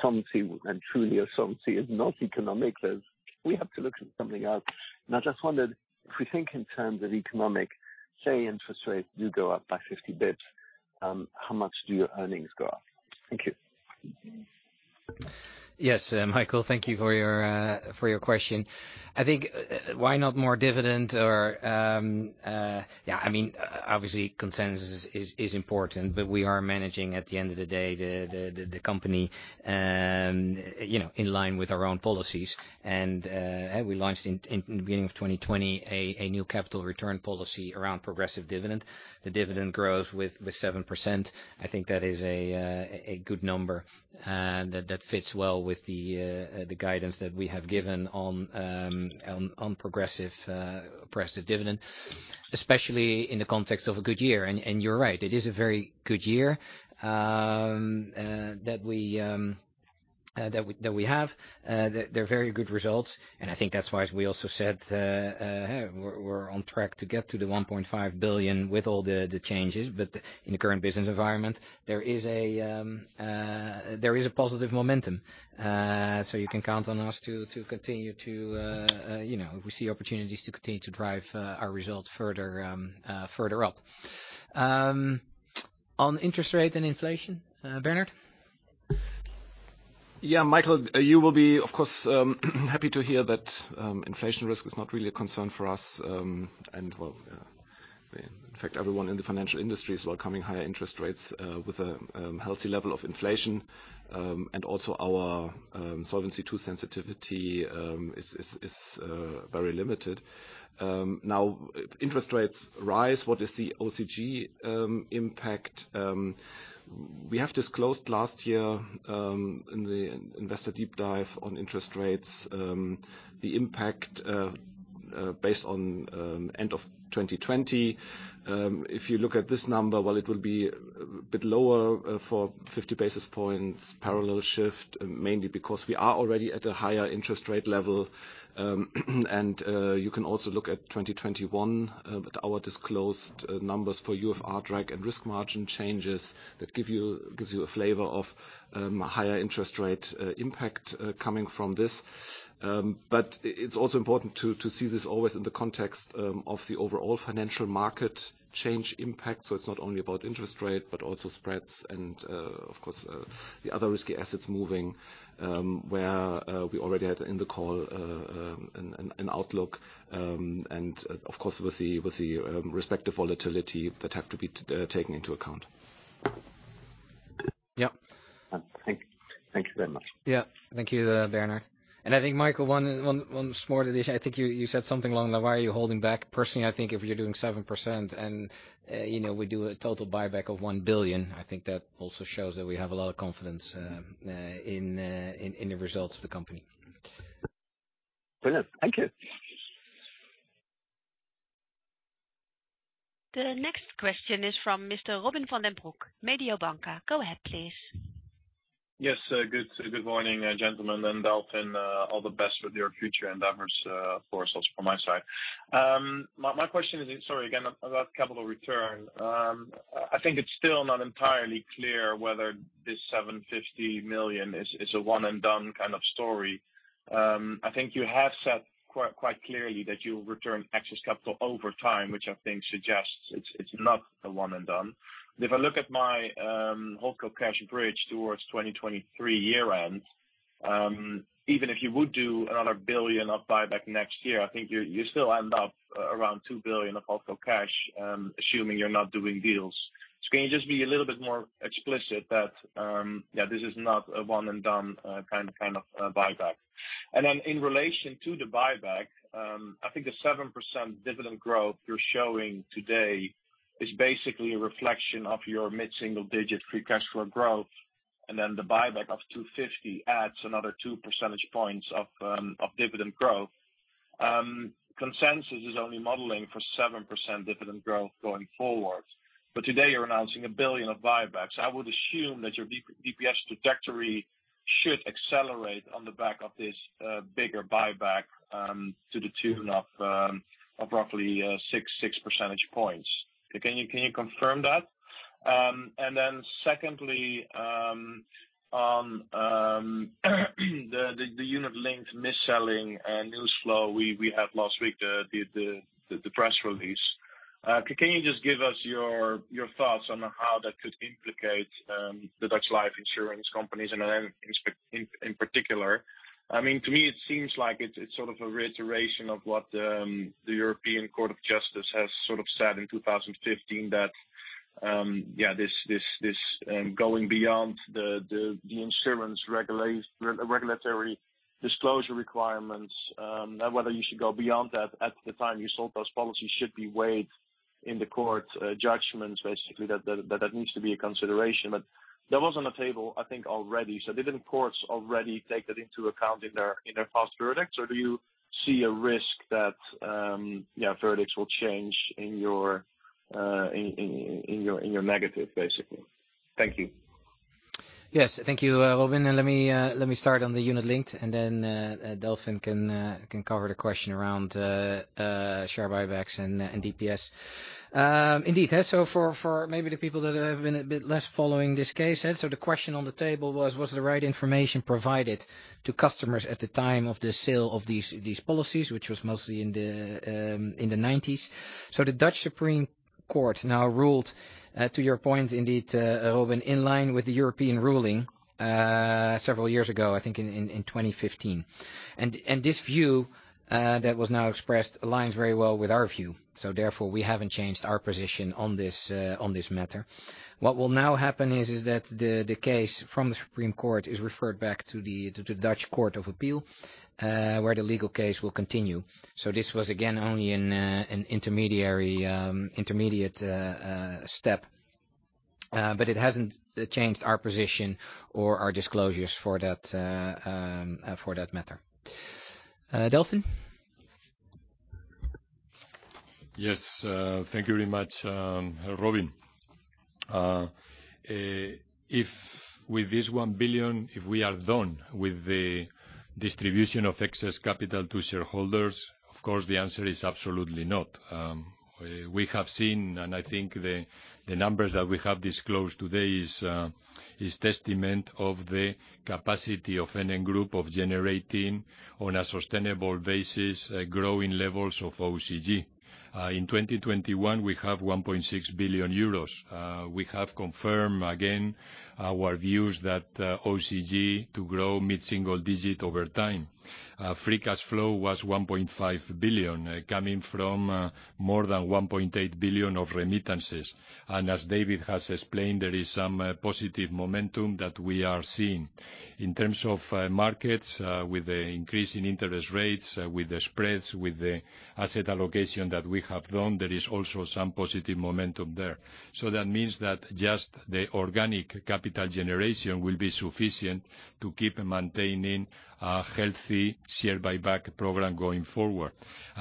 solvency and truly your solvency is not economic. There is. We have to look at something else. I just wondered if we think in terms of economic, say interest rates do go up by 50 basis points, how much do your earnings go up? Thank you. Yes, Michael, thank you for your question. I think why not more dividend or, yeah, I mean, obviously consensus is important, but we are managing at the end of the day the company, you know, in line with our own policies. We launched in beginning of 2020 a new capital return policy around progressive dividend. The dividend grows with 7%. I think that is a good number, that fits well with the guidance that we have given on progressive dividend, especially in the context of a good year. You're right, it is a very good year that we have. They're very good results, and I think that's why, as we also said, we're on track to get to the 1.5 billion with all the changes. In the current business environment, there is a positive momentum. You can count on us to continue to, you know, we see opportunities to continue to drive our results further up. On interest rate and inflation, Bernhard? Yeah, Michael, you will be, of course, happy to hear that inflation risk is not really a concern for us. Well, in fact, everyone in the financial industry is welcoming higher interest rates with a healthy level of inflation. Also our Solvency II sensitivity is very limited. Now if interest rates rise, what is the OCG impact? We have disclosed last year in the investor deep dive on interest rates the impact based on end of 2020. If you look at this number, well, it will be a bit lower for 50 basis points parallel shift, mainly because we are already at a higher interest rate level. You can also look at 2021 at our disclosed numbers for UFR drag and risk margin changes that gives you a flavor of higher interest rate impact coming from this. It's also important to see this always in the context of the overall financial market change impact. It's not only about interest rate, but also spreads and, of course, the other risky assets moving, where we already had in the call an outlook, and of course, with the respective volatility that have to be taken into account. Yeah. Thank you very much. Thank you, Bernhard. I think, Michael, one small addition. I think you said something along the lines of why are you holding back? Personally, I think if you're doing 7% and, you know, we do a total buyback of 1 billion, I think that also shows that we have a lot of confidence in the results of the company. Brilliant. Thank you. The next question is from Mr. Robin van den Broek, Mediobanca. Go ahead, please. Yes. Good morning, gentlemen, and Delfin, all the best with your future endeavors, for us from my side. My question is, sorry, again, about capital return. I think it's still not entirely clear whether this 750 million is a one and done kind of story. I think you have said quite clearly that you'll return excess capital over time, which I think suggests it's not a one and done. If I look at my whole core cash bridge towards 2023 year end, even if you would do another 1 billion of buyback next year, I think you still end up around 2 billion of excess cash, assuming you're not doing deals. Can you just be a little bit more explicit that this is not a one and done kind of buyback? In relation to the buyback, I think the 7% dividend growth you're showing today is basically a reflection of your mid-single digit free cash flow growth, and then the buyback of 250 million adds another 2 percentage points of dividend growth. Consensus is only modeling for 7% dividend growth going forward. Today, you're announcing 1 billion of buybacks. I would assume that your DPS trajectory should accelerate on the back of this bigger buyback to the tune of roughly 6 percentage points. Can you confirm that? Secondly, the unit-linked misselling and news flow we had last week, the press release. Can you just give us your thoughts on how that could implicate the Dutch Life Insurance companies and NN in particular? I mean, to me, it seems like it's sort of a reiteration of what the European Court of Justice has sort of said in 2015 that yeah, this going beyond the insurance regulatory disclosure requirements, whether you should go beyond that at the time you sold those policies should be weighed in the court's judgments, basically that needs to be a consideration. But that was on the table, I think, already. Didn't courts already take that into account in their past verdicts? Or do you see a risk that, you know, verdicts will change in your negative, basically? Thank you. Yes. Thank you, Robin. Let me start on the unit-linked, and then Delfin can cover the question around share buybacks and DPS. Indeed. For maybe the people that have been following this case a bit less, the question on the table was the right information provided to customers at the time of the sale of these policies, which was mostly in the 1990s. The Dutch Supreme Court now ruled, to your point, indeed, Robin, in line with the European ruling several years ago, I think in 2015. This view that was now expressed aligns very well with our view. Therefore, we haven't changed our position on this matter. What will now happen is that the case from the Supreme Court is referred back to the Dutch Court of Appeal, where the legal case will continue. This was again only an intermediate step. But it hasn't changed our position or our disclosures for that matter. Delfin? Yes, thank you very much, Robin. If with this 1 billion we are done with the distribution of excess capital to shareholders, of course, the answer is absolutely not. We have seen, I think the numbers that we have disclosed today is testament of the capacity of NN Group of generating on a sustainable basis, growing levels of OCG. In 2021, we have 1.6 billion euros. We have confirmed again our views that OCG to grow mid-single-digit over time. Free cash flow was 1.5 billion, coming from more than 1.8 billion of remittances. As David has explained, there is some positive momentum that we are seeing. In terms of markets, with the increase in interest rates, with the spreads, with the asset allocation that we have done, there is also some positive momentum there. That means that just the organic capital generation will be sufficient to keep maintaining a healthy share buyback program going forward.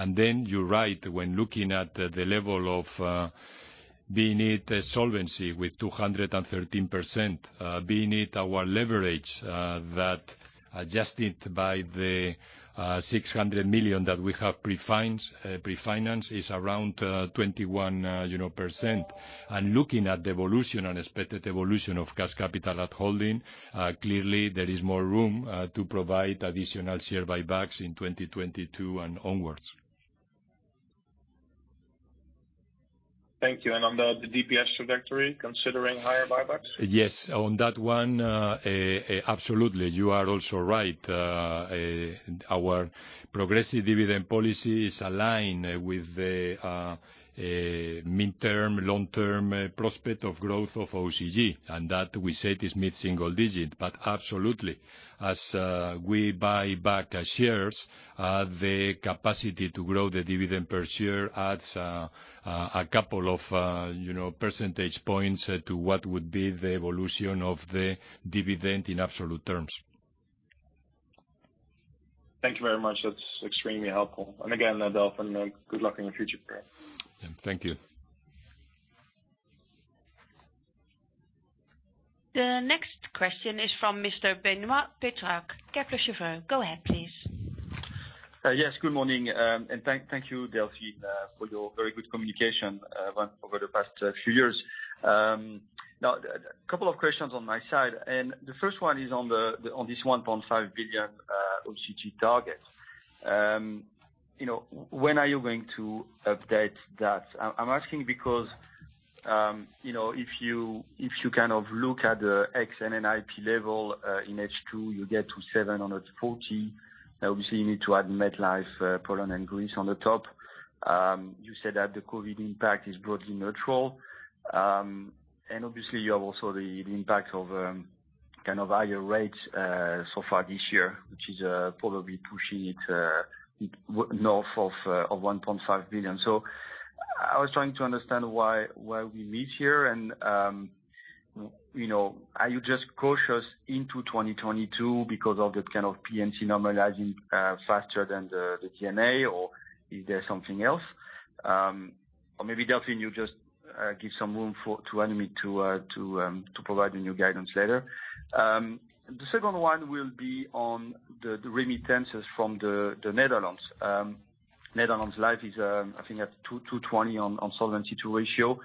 Then you're right when looking at the level of, be it solvency with 213%, be it our leverage, that adjusted by the 600 million that we have pre-financed is around 21%, you know. Looking at the evolution and expected evolution of cash capital at holding, clearly there is more room to provide additional share buybacks in 2022 and onwards. Thank you. On the DPS trajectory, considering higher buybacks? Yes. On that one, absolutely, you are also right. Our progressive dividend policy is aligned with the midterm, long-term prospect of growth of OCG, and that we said is mid-single-digit. Absolutely, as we buy back shares, the capacity to grow the dividend per share adds a couple of, you know, percentage points to what would be the evolution of the dividend in absolute terms. Thank you very much. That's extremely helpful. Again, Delfin, good luck in your future career. Thank you. The next question is from Mr. Benoît Pétrarque, Kepler Cheuvreux. Go ahead, please. Yes. Good morning, and thank you, Delfin, for your very good communication over the past few years. Now a couple of questions on my side, and the first one is on this 1.5 billion OCG target. You know, when are you going to update that? I'm asking because, you know, if you kind of look at the ex NN IP level in H2, you get to 740 million. Obviously, you need to add MetLife, Poland, and Greece on the top. You said that the COVID impact is broadly neutral. Obviously you have also the impact of kind of higher rates so far this year, which is probably pushing it north of 1.5 billion. I was trying to understand why we meet here and, you know, are you just cautious into 2022 because of the kind of P&C normalizing faster than the G&A, or is there something else? Or maybe, Delfin, you just give some room to provide the new guidance later. The second one will be on the remittances from the Netherlands. Netherlands Life is, I think, at 220% Solvency II ratio.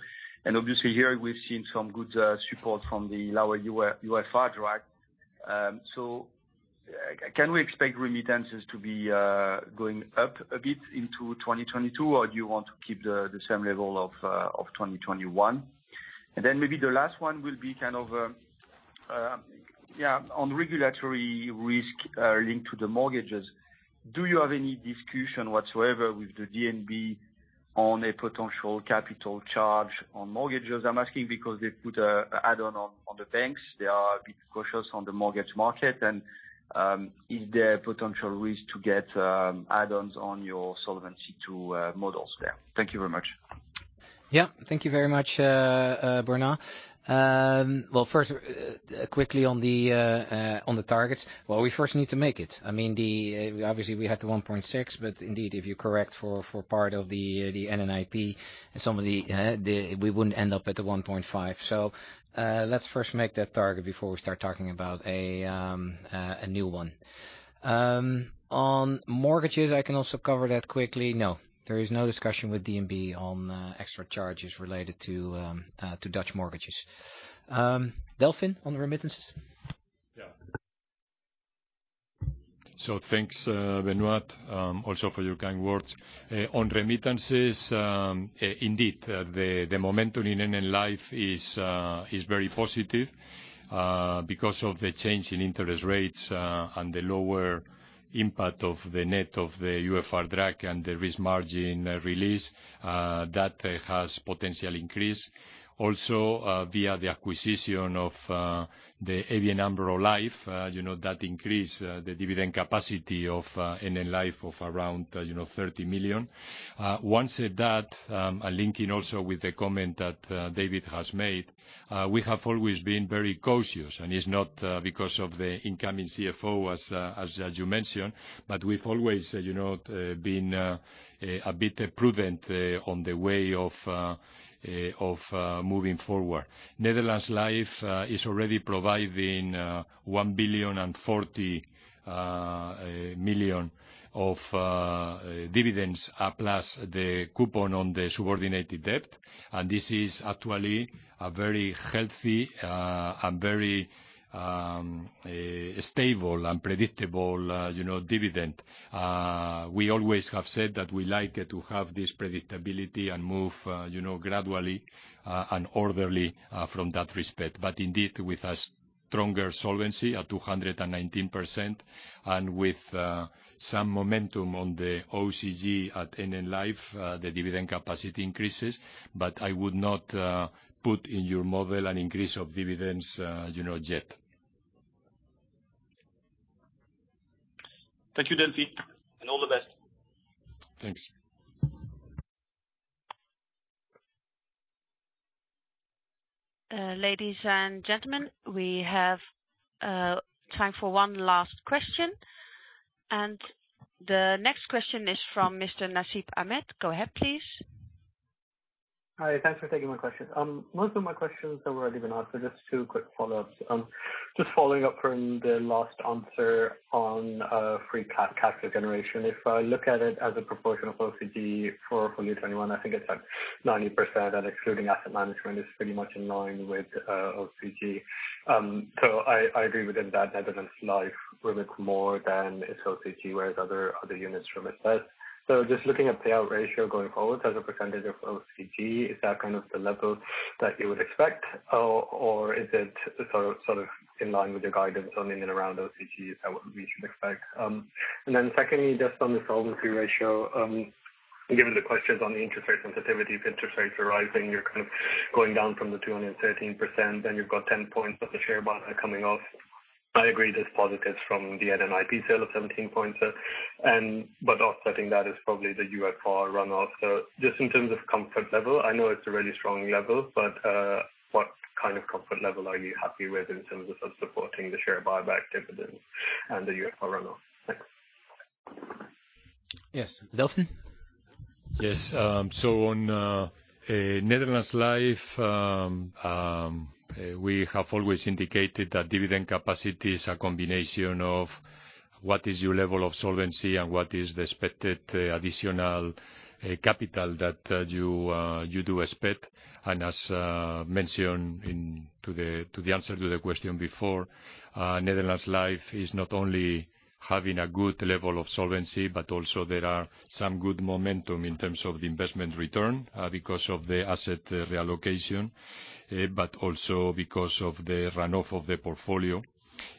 And obviously here we've seen some good support from the lower UFR drag. Can we expect remittances to be going up a bit into 2022, or do you want to keep the same level of 2021? Maybe the last one will be kind of, yeah, on regulatory risk, linked to the mortgages. Do you have any discussion whatsoever with the DNB on a potential capital charge on mortgages? I'm asking because they put an add-on on the banks. They are a bit cautious on the mortgage market, and is there a potential risk to get add-ons on your Solvency II models there? Thank you very much. Thank you very much, Benoît. Well, first, quickly on the targets. Well, we first need to make it. I mean, obviously, we had the 1.6 billion, but indeed, if you correct for part of the NN IP and some of the, we wouldn't end up at the 1.5 billion. Let's first make that target before we start talking about a new one. On mortgages, I can also cover that quickly. No, there is no discussion with DNB on extra charges related to Dutch mortgages. Delfin, on the remittances. Yeah. Thanks, Benoît, also for your kind words. On remittances, indeed, the momentum in NN Life is very positive, because of the change in interest rates, and the lower impact of the net of the UFR drag and the risk margin release, that has potential increase. Also, via the acquisition of the ABN AMRO Life, you know, that increase the dividend capacity of NN Life of around, you know, 30 million. That said, linking also with the comment that David has made, we have always been very cautious, and it's not because of the incoming CFO as you mentioned, but we've always, you know, been a bit prudent on the way of moving forward. Netherlands Life is already providing 1.04 billion of dividends plus the coupon on the subordinated debt. This is actually a very healthy and very stable and predictable, you know, dividend. We always have said that we like to have this predictability and move, you know, gradually and orderly in that respect. Indeed, with a stronger solvency at 219% and with some momentum on the OCG at NN Life, the dividend capacity increases. I would not put in your model an increase of dividends, you know, yet. Thank you, Delfin, and all the best. Thanks. Ladies and gentlemen, we have time for one last question, and the next question is from Mr. Nasib Ahmed. Go ahead, please. Hi. Thanks for taking my question. Most of my questions have already been asked, so just two quick follow-ups. Just following up from the last answer on free cash generation. If I look at it as a proportion of OCG for FY 2021, I think it's, like, 90% and excluding asset management is pretty much in line with OCG. I agree with that Netherlands Life remits more than its OCG, whereas other units remit less. Just looking at payout ratio going forward as a percentage of OCG, is that kind of the level that you would expect, or is it sort of in line with your guidance on and around OCG? Is that what we should expect? Secondly, just on the solvency ratio, given the questions on the interest rate sensitivity, if interest rates are rising, you're kind of going down from the 213%, then you've got 10 points of the share buyback coming off. I agree there's positives from the NN IP sale of 17 points, but offsetting that is probably the UFR runoff. Just in terms of comfort level, I know it's a really strong level, but what kind of comfort level are you happy with in terms of supporting the share buyback dividends and the UFR runoff? Thanks. Yes, Delfin? Yes. On Netherlands Life, we have always indicated that dividend capacity is a combination of what is your level of solvency and what is the expected additional capital that you do expect. As mentioned in the answer to the question before, Netherlands Life is not only having a good level of solvency, but also there are some good momentum in terms of the investment return because of the asset reallocation, but also because of the run-off of the portfolio,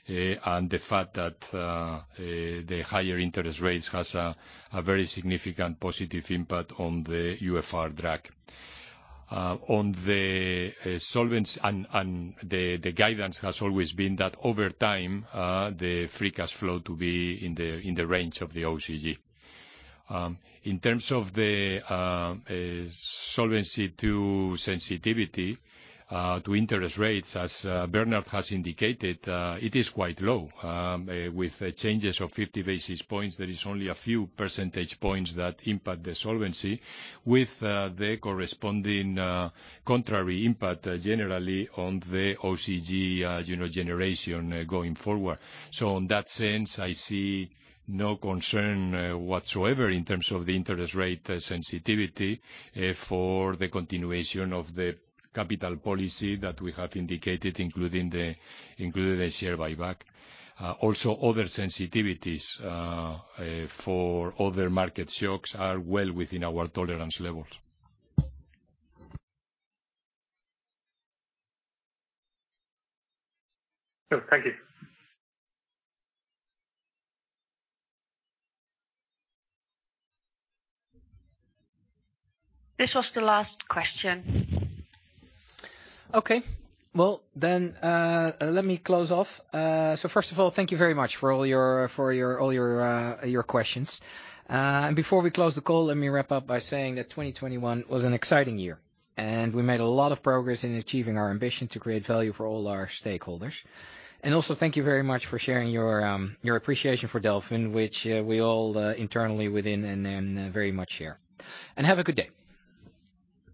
and the fact that the higher interest rates has a very significant positive impact on the UFR drag. On the solvency and the guidance has always been that over time, the free cash flow to be in the range of the OCG. In terms of the Solvency II sensitivity to interest rates, as Bernhard has indicated, it is quite low, with changes of 50 basis points, there is only a few percentage points that impact the solvency with the corresponding contrary impact generally on the OCG, you know, generation going forward. In that sense, I see no concern whatsoever in terms of the interest rate sensitivity for the continuation of the capital policy that we have indicated, including the share buyback. Also other sensitivities for other market shocks are well within our tolerance levels. Sure. Thank you. This was the last question. Okay. Well, then, let me close off. So first of all, thank you very much for all your questions. Before we close the call, let me wrap up by saying that 2021 was an exciting year, and we made a lot of progress in achieving our ambition to create value for all our stakeholders. Also thank you very much for sharing your appreciation for Delfin, which we all internally within NN very much share. Have a good day.